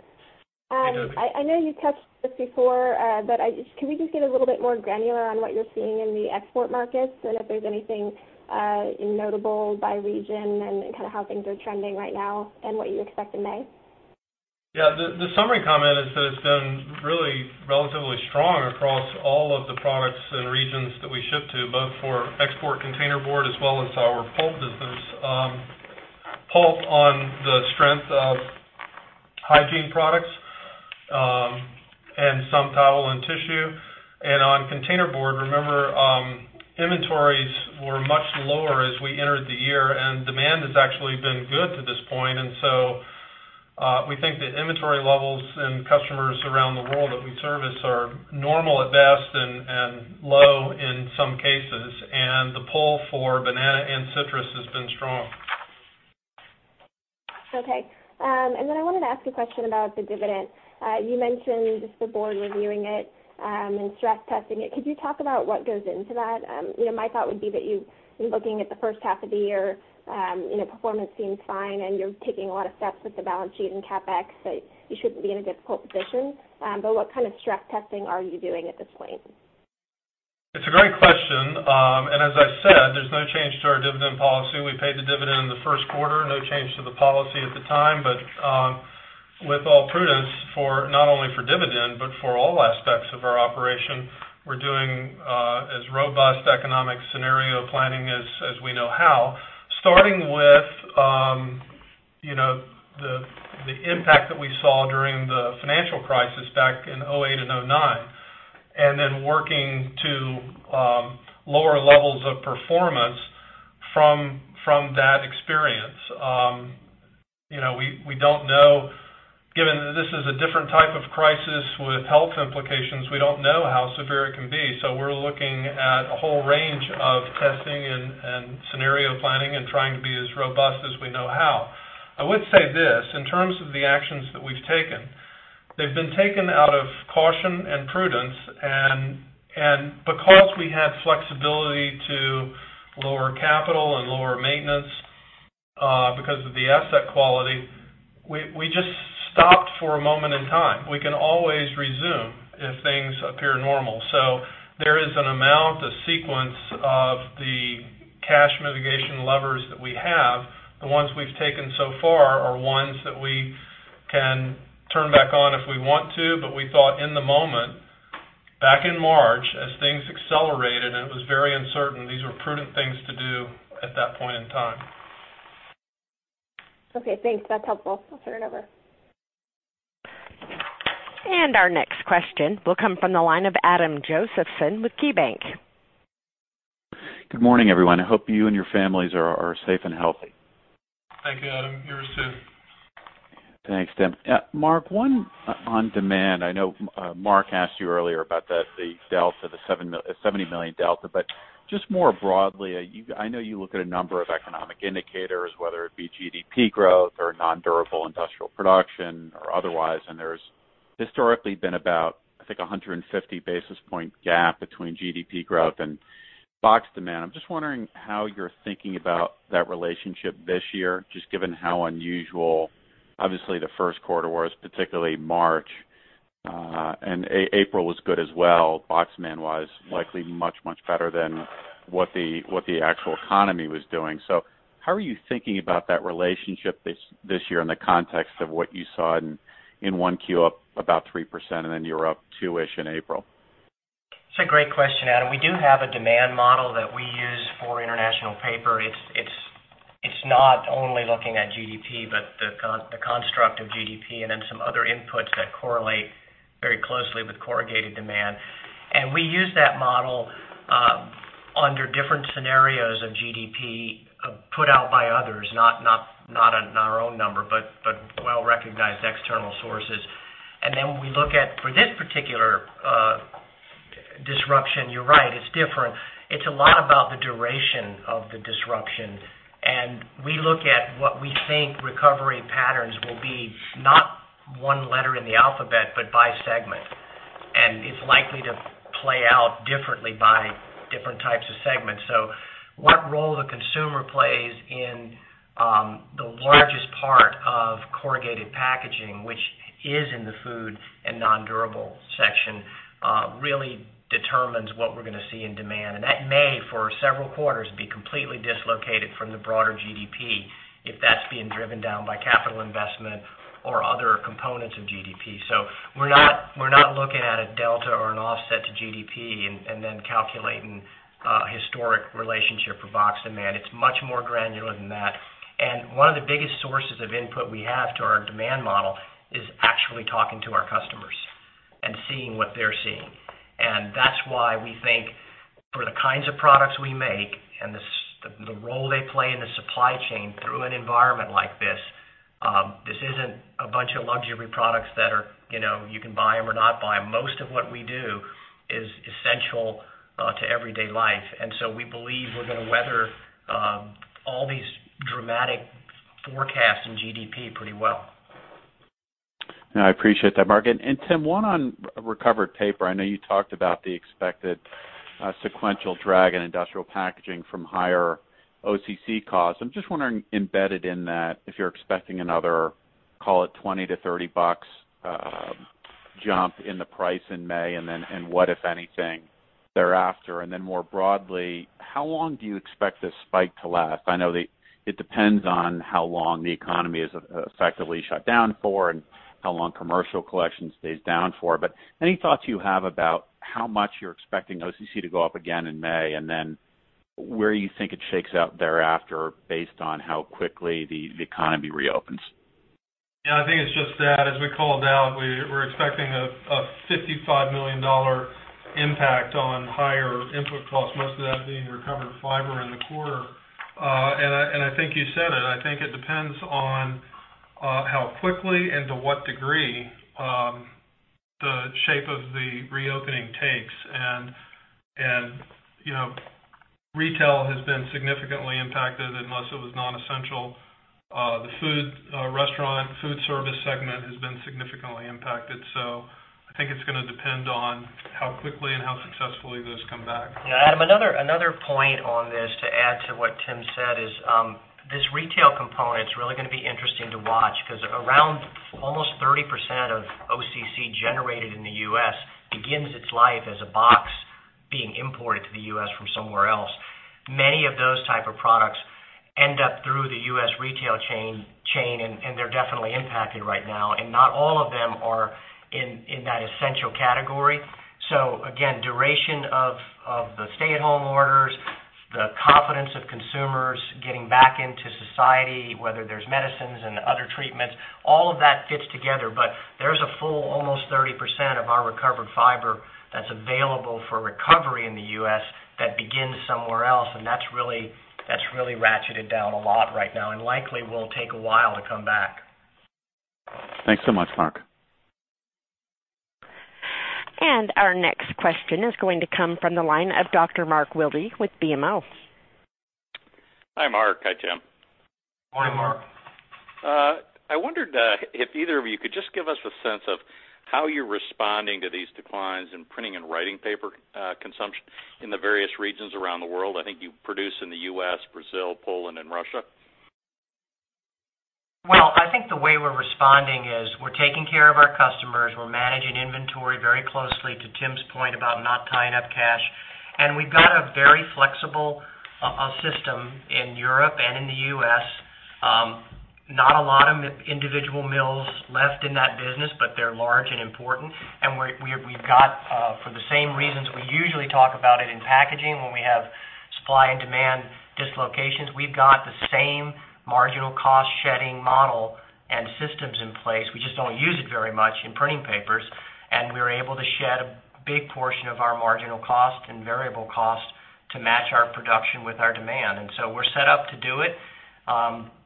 I know you touched this before, but can we just get a little bit more granular on what you're seeing in the export markets and if there's anything notable by region and kind of how things are trending right now and what you expect in May? Yeah. The summary comment is that it's been really relatively strong across all of the products and regions that we ship to, both for export containerboard as well as our pulp business. Pulp on the strength of hygiene products and some towel and tissue, and on containerboard, remember, inventories were much lower as we entered the year, and demand has actually been good to this point, and so we think the inventory levels and customers around the world that we service are normal at best and low in some cases, and the pull for banana and citrus has been strong. Okay, and then I wanted to ask a question about the dividend. You mentioned just the board reviewing it and stress testing it. Could you talk about what goes into that? My thought would be that you've been looking at the first half of the year. Performance seems fine, and you're taking a lot of steps with the balance sheet and CapEx, so you shouldn't be in a difficult position. But what kind of stress testing are you doing at this point? It's a great question. And as I said, there's no change to our dividend policy. We paid the dividend in the first quarter. No change to the policy at the time. But with all prudence, not only for dividend, but for all aspects of our operation, we're doing as robust economic scenario planning as we know how, starting with the impact that we saw during the financial crisis back in 2008 and 2009, and then working to lower levels of performance from that experience. We don't know, given that this is a different type of crisis with health implications, we don't know how severe it can be. So we're looking at a whole range of testing and scenario planning and trying to be as robust as we know how. I would say this: in terms of the actions that we've taken, they've been taken out of caution and prudence. And because we had flexibility to lower capital and lower maintenance because of the asset quality, we just stopped for a moment in time. We can always resume if things appear normal. So there is an amount, a sequence of the cash mitigation levers that we have. The ones we've taken so far are ones that we can turn back on if we want to, but we thought in the moment, back in March, as things accelerated and it was very uncertain, these were prudent things to do at that point in time. Okay. Thanks. That's helpful. I'll turn it over. And our next question will come from the line of Adam Josephson with KeyBanc. Good morning, everyone. I hope you and your families are safe and healthy. Thank you, Adam. Yours too. Thanks, Tim. Mark, one on demand. I know Mark asked you earlier about the 70 million delta, but just more broadly, I know you look at a number of economic indicators, whether it be GDP growth or nondurable industrial production or otherwise, and there's historically been about, I think, a 150 basis points gap between GDP growth and box demand. I'm just wondering how you're thinking about that relationship this year, just given how unusual, obviously, the first quarter was, particularly March, and April was good as well, box demand-wise, likely much, much better than what the actual economy was doing. So how are you thinking about that relationship this year in the context of what you saw in 1Q up about 3% and then you were up two-ish in April? That's a great question, Adam. We do have a demand model that we use for International Paper. It's not only looking at GDP, but the construct of GDP and then some other inputs that correlate very closely with corrugated demand. And we use that model under different scenarios of GDP put out by others, not in our own number, but well-recognized external sources. And then we look at, for this particular disruption, you're right, it's different. It's a lot about the duration of the disruption. And we look at what we think recovery patterns will be, not one letter in the alphabet, but by segment. And it's likely to play out differently by different types of segments. So what role the consumer plays in the largest part of corrugated packaging, which is in the food and non-durable section, really determines what we're going to see in demand. And that may, for several quarters, be completely dislocated from the broader GDP if that's being driven down by capital investment or other components of GDP. So we're not looking at a delta or an offset to GDP and then calculating a historic relationship for box demand. It's much more granular than that. And one of the biggest sources of input we have to our demand model is actually talking to our customers and seeing what they're seeing. And that's why we think, for the kinds of products we make and the role they play in the supply chain through an environment like this, this isn't a bunch of luxury products that you can buy them or not buy them. Most of what we do is essential to everyday life. And so we believe we're going to weather all these dramatic forecasts in GDP pretty well. I appreciate that, Mark. And Tim, one on recovered paper. I know you talked about the expected sequential drag in industrial packaging from higher OCC costs. I'm just wondering, embedded in that, if you're expecting another, call it, $20-$30 jump in the price in May and what, if anything, thereafter. And then more broadly, how long do you expect this spike to last? I know it depends on how long the economy is effectively shut down for and how long commercial collection stays down for. But any thoughts you have about how much you're expecting OCC to go up again in May and then where you think it shakes out thereafter based on how quickly the economy reopens? Yeah. I think it's just that, as we call it out, we're expecting a $55 million impact on higher input costs, most of that being recovered fiber in the quarter. And I think you said it. I think it depends on how quickly and to what degree the shape of the reopening takes. And retail has been significantly impacted, unless it was non-essential. The food restaurant food service segment has been significantly impacted. So I think it's going to depend on how quickly and how successfully those come back. Yeah. Adam, another point on this to add to what Tim said is this retail component's really going to be interesting to watch because around almost 30% of OCC generated in the U.S. begins its life as a box being imported to the U.S. from somewhere else. Many of those types of products end up through the U.S. retail chain, and they're definitely impacted right now. And not all of them are in that essential category. So again, duration of the stay-at-home orders, the confidence of consumers getting back into society, whether there's medicines and other treatments, all of that fits together. But there's a full almost 30% of our recovered fiber that's available for recovery in the US that begins somewhere else. And that's really ratcheted down a lot right now and likely will take a while to come back. Thanks so much, Mark. And our next question is going to come from the line of Dr. Mark Wilde with BMO. Hi, Mark. Hi, Tim. Good morning, Mark. I wondered if either of you could just give us a sense of how you're responding to these declines in printing and writing paper consumption in the various regions around the world. I think you produce in the US, Brazil, Poland, and Russia. Well, I think the way we're responding is we're taking care of our customers. We're managing inventory very closely to Tim's point about not tying up cash. And we've got a very flexible system in Europe and in the U.S. Not a lot of individual mills left in that business, but they're large and important. And we've got, for the same reasons we usually talk about it in packaging when we have supply and demand dislocations, we've got the same marginal cost shedding model and systems in place. We just don't use it very much in printing papers. And we're able to shed a big portion of our marginal cost and variable cost to match our production with our demand. And so we're set up to do it,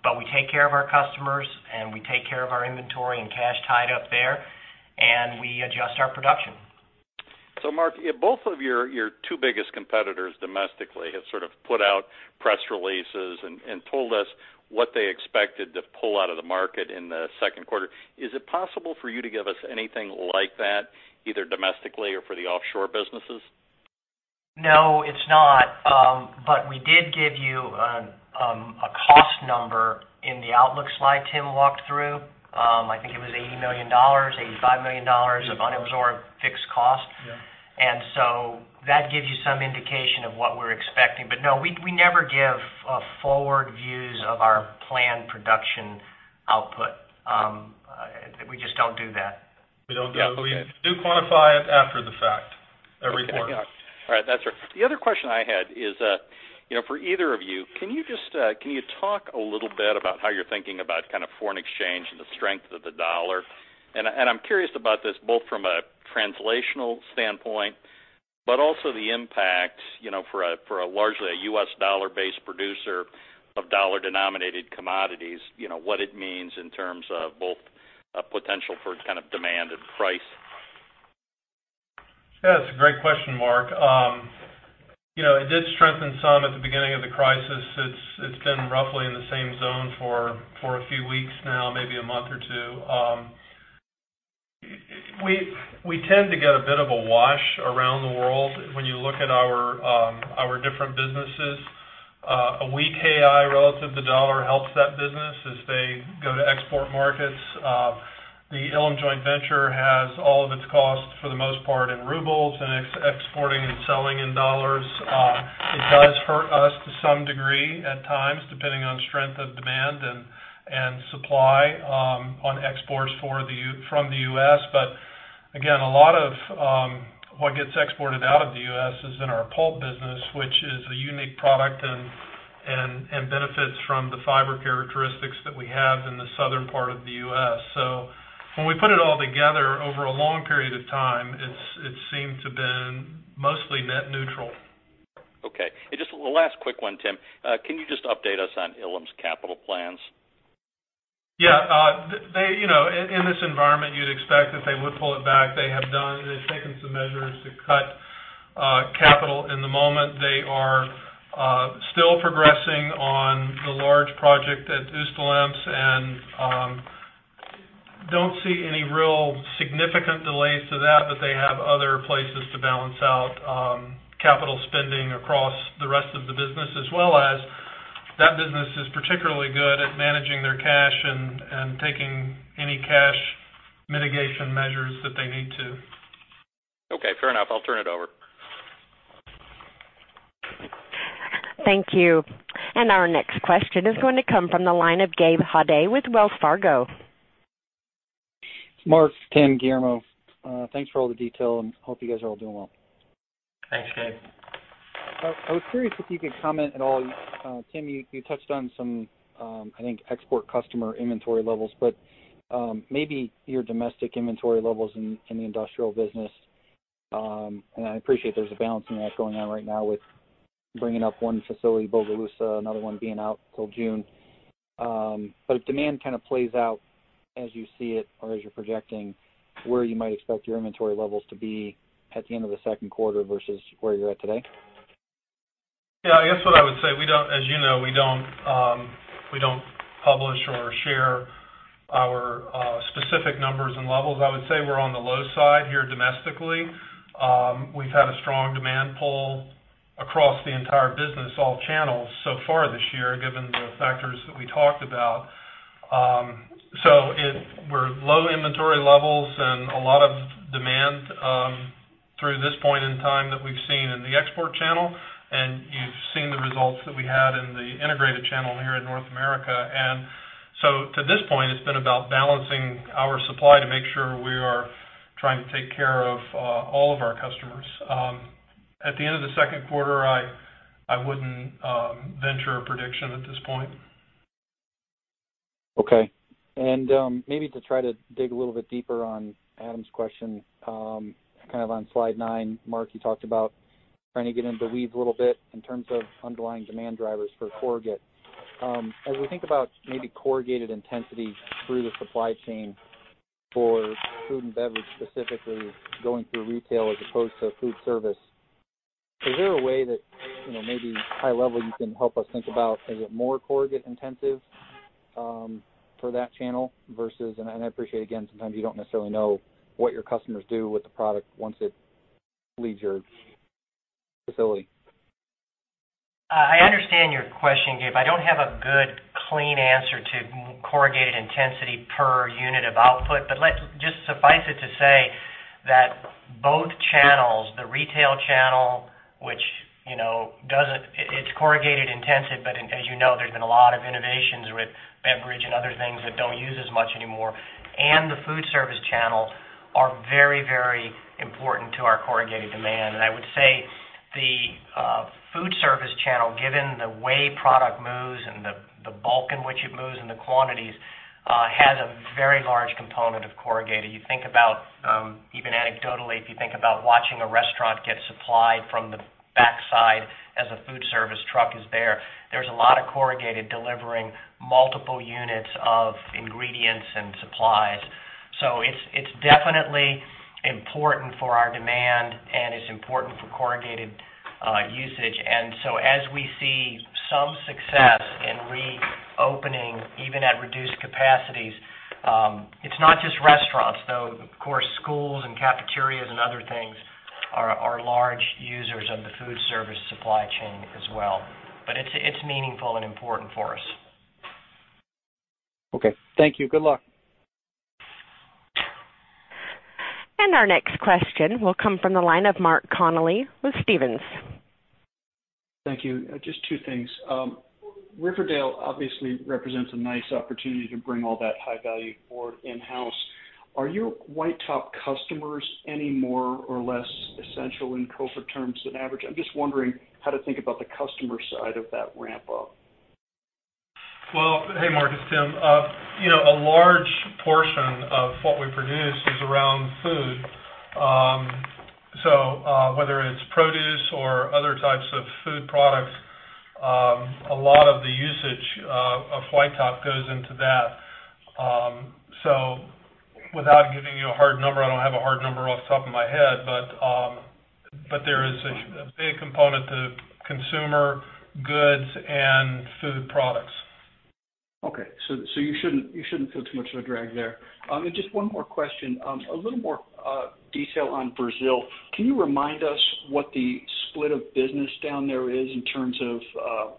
but we take care of our customers, and we take care of our inventory and cash tied up there, and we adjust our production. Mark, both of your two biggest competitors domestically have sort of put out press releases and told us what they expected to pull out of the market in the second quarter. Is it possible for you to give us anything like that, either domestically or for the offshore businesses? No, it's not. But we did give you a cost number in the Outlook slide Tim walked through. I think it was $80 million-$85 million of unabsorbed fixed cost. And so that gives you some indication of what we're expecting. But no, we never give forward views of our planned production output. We just don't do that. We don't do that. We do quantify it after the fact every quarter. All right. That's right. The other question I had is, for either of you, can you just talk a little bit about how you're thinking about kind of foreign exchange and the strength of the dollar, and I'm curious about this both from a translational standpoint, but also the impact for a largely U.S. dollar-based producer of dollar-denominated commodities, what it means in terms of both potential for kind of demand and price. Yeah. That's a great question, Mark. It did strengthen some at the beginning of the crisis. It's been roughly in the same zone for a few weeks now, maybe a month or two. We tend to get a bit of a wash around the world. When you look at our different businesses, a weak euro relative to the dollar helps that business as they go to export markets. The Ilim joint venture has all of its costs, for the most part, in rubles and exporting and selling in dollars. It does hurt us to some degree at times, depending on strength of demand and supply on exports from the U.S. But again, a lot of what gets exported out of the U.S. is in our pulp business, which is a unique product and benefits from the fiber characteristics that we have in the southern part of the U.S. So when we put it all together over a long period of time, it seemed to have been mostly net neutral. Okay. Just a last quick one, Tim. Can you just update us on Ilim's capital plans? Yeah. In this environment, you'd expect that they would pull it back. They have done. They've taken some measures to cut capital in the moment. They are still progressing on the large project at Ust-Ilimsk and don't see any real significant delays to that, but they have other places to balance out capital spending across the rest of the business, as well as that business is particularly good at managing their cash and taking any cash mitigation measures that they need to. Okay. Fair enough. I'll turn it over. Thank you. And our next question is going to come from the line of Gabe Hajde with Wells Fargo. Mark, Tim, Guillermo, thanks for all the detail and hope you guys are all doing well. Thanks, Gabe. I was curious if you could comment at all. Tim, you touched on some, I think, export customer inventory levels, but maybe your domestic inventory levels in the industrial business. I appreciate there's a balancing act going on right now with bringing up one facility, Bogalusa, another one being out till June. But if demand kind of plays out as you see it or as you're projecting, where you might expect your inventory levels to be at the end of the second quarter versus where you're at today? Yeah. I guess what I would say, as you know, we don't publish or share our specific numbers and levels. I would say we're on the low side here domestically. We've had a strong demand pull across the entire business, all channels so far this year, given the factors that we talked about. So we're low inventory levels and a lot of demand through this point in time that we've seen in the export channel. And you've seen the results that we had in the integrated channel here in North America. And so to this point, it's been about balancing our supply to make sure we are trying to take care of all of our customers. At the end of the second quarter, I wouldn't venture a prediction at this point. Okay. And maybe to try to dig a little bit deeper on Adam's question, kind of on slide nine, Mark, you talked about trying to get into the weeds a little bit in terms of underlying demand drivers for corrugated. As we think about maybe corrugated intensity through the supply chain for food and beverage, specifically going through retail as opposed to food service, is there a way that maybe high level you can help us think about, is it more corrugated intensive for that channel versus, and I appreciate, again, sometimes you don't necessarily know what your customers do with the product once it leaves your facility? I understand your question, Gabe. I don't have a good, clean answer to corrugated intensity per unit of output. But just suffice it to say that both channels, the retail channel, which it's corrugated intensive, but as you know, there's been a lot of innovations with beverage and other things that don't use as much anymore, and the food service channel are very, very important to our corrugated demand. And I would say the food service channel, given the way product moves and the bulk in which it moves and the quantities, has a very large component of corrugated. You think about, even anecdotally, if you think about watching a restaurant get supplied from the backside as a food service truck is there, there's a lot of corrugated delivering multiple units of ingredients and supplies. So it's definitely important for our demand, and it's important for corrugated usage. And so as we see some success in reopening, even at reduced capacities, it's not just restaurants, though, of course, schools and cafeterias and other things are large users of the food service supply chain as well, but it's meaningful and important for us. Okay. Thank you. Good luck. And our next question will come from the line of Mark Connelly with Stephens. Thank you. Just two things. Riverdale obviously represents a nice opportunity to bring all that high value forward in-house. Are your whitetop customers any more or less essential in COVID terms than average? I'm just wondering how to think about the customer side of that ramp-up. Well, hey, Mark and Tim, a large portion of what we produce is around food. So whether it's produce or other types of food products, a lot of the usage of whitetop goes into that. So without giving you a hard number, I don't have a hard number off the top of my head, but there is a big component to consumer goods and food products. Okay. So you shouldn't feel too much of a drag there. And just one more question, a little more detail on Brazil. Can you remind us what the split of business down there is in terms of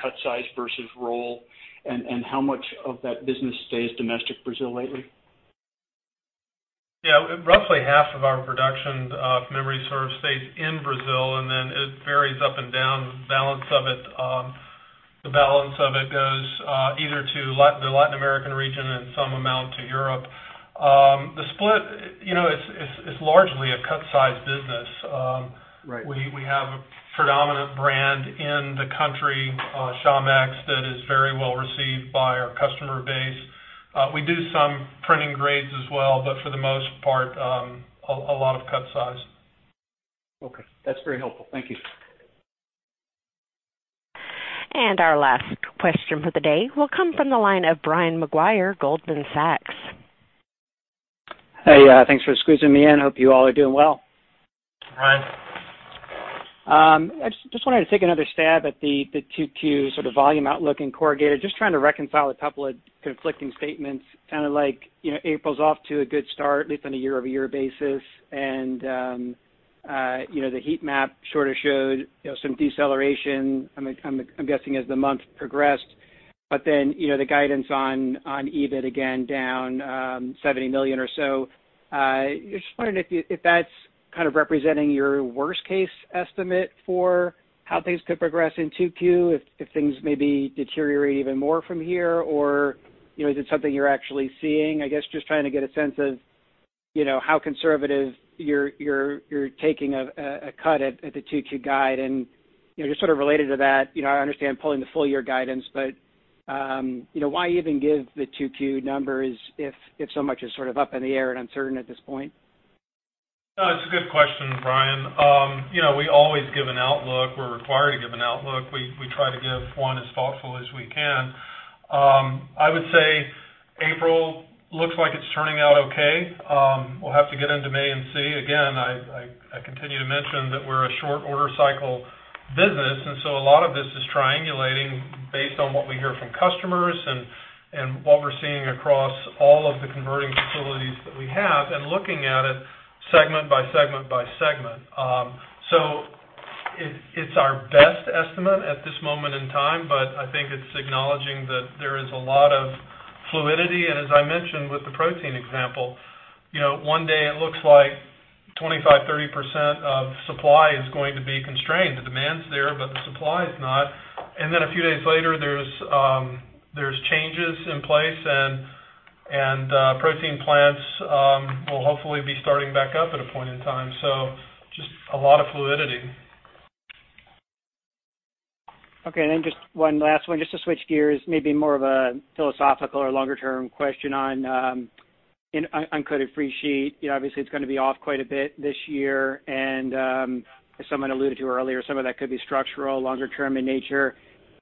cut size versus roll, and how much of that business stays domestic Brazil lately? Yeah. Roughly half of our production, if memory serves, stays in Brazil, and then it varies up and down. The balance of it goes either to the Latin American region and some amount to Europe. The split, it's largely a cut size business. We have a predominant brand in the country, Chamex, that is very well received by our customer base. We do some printing grades as well, but for the most part, a lot of cut size. Okay. That's very helpful. Thank you. And our last question for the day will come from the line of Brian Maguire, Goldman Sachs. Hey, thanks for squeezing me in. Hope you all are doing well. I just wanted to take another stab at the QQ sort of volume outlook in corrugated. Just trying to reconcile a couple of conflicting statements. Sounded like April's off to a good start, at least on a year-over-year basis. And the heat map sort of showed some deceleration, I'm guessing, as the month progressed. But then the guidance on EBIT again down $70 million or so. Just wondering if that's kind of representing your worst-case estimate for how things could progress in Q2, if things maybe deteriorate even more from here, or is it something you're actually seeing? I guess just trying to get a sense of how conservative you're taking a cut at the Q2 guide. And just sort of related to that, I understand pulling the full-year guidance, but why even give the Q2 number if so much is sort of up in the air and uncertain at this point? No, it's a good question, Brian. We always give an outlook. We're required to give an outlook. We try to give one as thoughtful as we can. I would say April looks like it's turning out okay. We'll have to get into May and see. Again, I continue to mention that we're a short order cycle business, and so a lot of this is triangulating based on what we hear from customers and what we're seeing across all of the converting facilities that we have and looking at it segment by segment by segment. So it's our best estimate at this moment in time, but I think it's acknowledging that there is a lot of fluidity. And as I mentioned with the protein example, one day it looks like 25%-30% of supply is going to be constrained. The demand's there, but the supply's not. And then a few days later, there's changes in place, and protein plants will hopefully be starting back up at a point in time. So just a lot of fluidity. Okay. And then just one last one, just to switch gears, maybe more of a philosophical or longer-term question on uncoated free sheet. Obviously, it's going to be off quite a bit this year. And as someone alluded to earlier, some of that could be structural, longer-term in nature.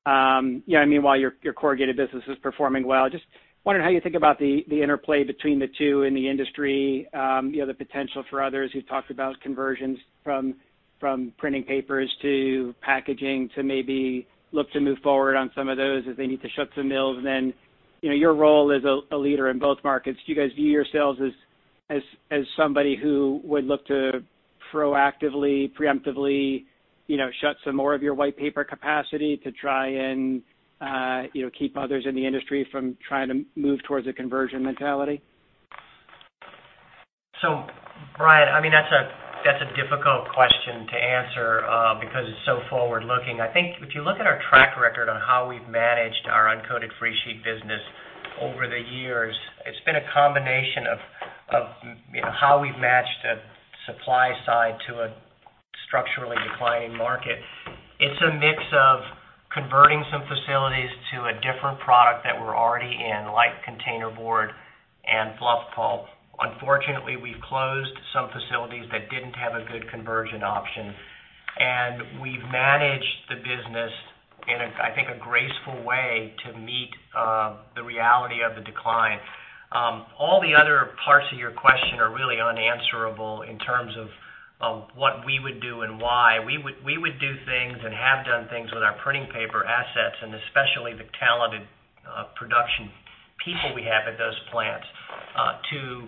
Yeah. I mean, while your corrugated business is performing well, just wondering how you think about the interplay between the two in the industry, the potential for others. You've talked about conversions from printing papers to packaging to maybe look to move forward on some of those as they need to shut some mills. And then your role as a leader in both markets, do you guys view yourselves as somebody who would look to proactively, preemptively shut some more of your white paper capacity to try and keep others in the industry from trying to move towards a conversion mentality? Brian, I mean, that's a difficult question to answer because it's so forward-looking. I think if you look at our track record on how we've managed our uncoated free sheet business over the years, it's been a combination of how we've matched the supply side to a structurally declining market. It's a mix of converting some facilities to a different product that we're already in, like containerboard and fluff pulp. Unfortunately, we've closed some facilities that didn't have a good conversion option. We've managed the business in, I think, a graceful way to meet the reality of the decline. All the other parts of your question are really unanswerable in terms of what we would do and why. We would do things and have done things with our printing paper assets and especially the talented production people we have at those plants to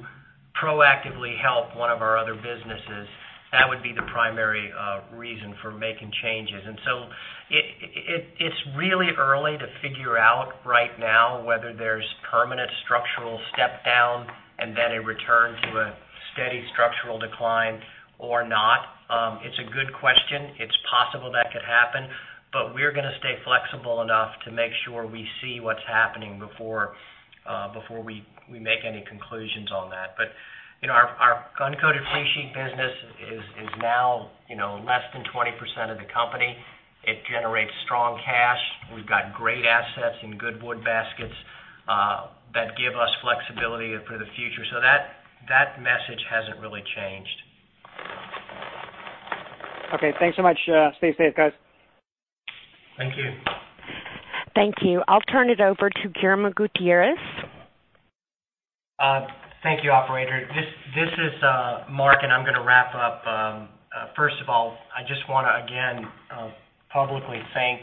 proactively help one of our other businesses. That would be the primary reason for making changes. And so it's really early to figure out right now whether there's permanent structural step down and then a return to a steady structural decline or not. It's a good question. It's possible that could happen, but we're going to stay flexible enough to make sure we see what's happening before we make any conclusions on that. But our uncoated free sheet business is now less than 20% of the company. It generates strong cash. We've got great assets and good wood baskets that give us flexibility for the future. So that message hasn't really changed. Okay. Thanks so much. Stay safe, guys. Thank you. Thank you. I'll turn it over to Guillermo Gutierrez. Thank you, Operator. This is Mark, and I'm going to wrap up. First of all, I just want to, again, publicly thank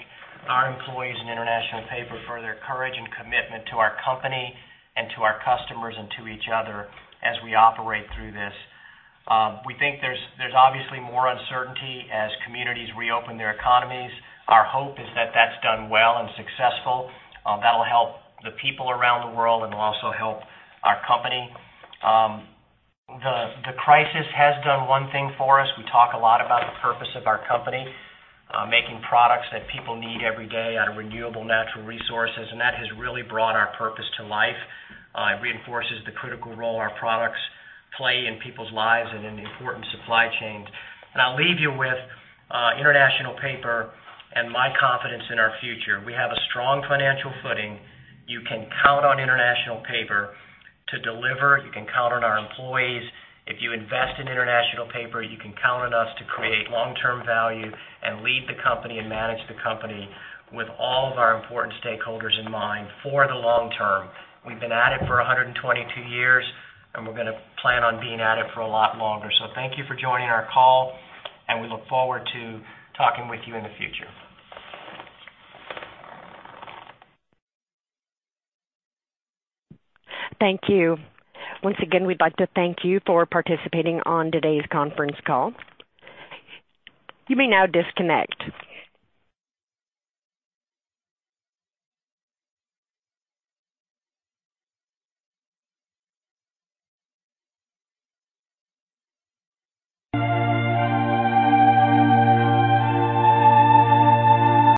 our employees in International Paper for their courage and commitment to our company and to our customers and to each other as we operate through this. We think there's obviously more uncertainty as communities reopen their economies. Our hope is that that's done well and successful. That'll help the people around the world and will also help our company. The crisis has done one thing for us. We talk a lot about the purpose of our company, making products that people need every day out of renewable natural resources, and that has really brought our purpose to life. It reinforces the critical role our products play in people's lives and in important supply chains. I'll leave you with International Paper and my confidence in our future. We have a strong financial footing. You can count on International Paper to deliver. You can count on our employees. If you invest in International Paper, you can count on us to create long-term value and lead the company and manage the company with all of our important stakeholders in mind for the long term. We've been at it for 122 years, and we're going to plan on being at it for a lot longer. Thank you for joining our call, and we look forward to talking with you in the future. Thank you. Once again, we'd like to thank you for participating on today's conference call. You may now disconnect.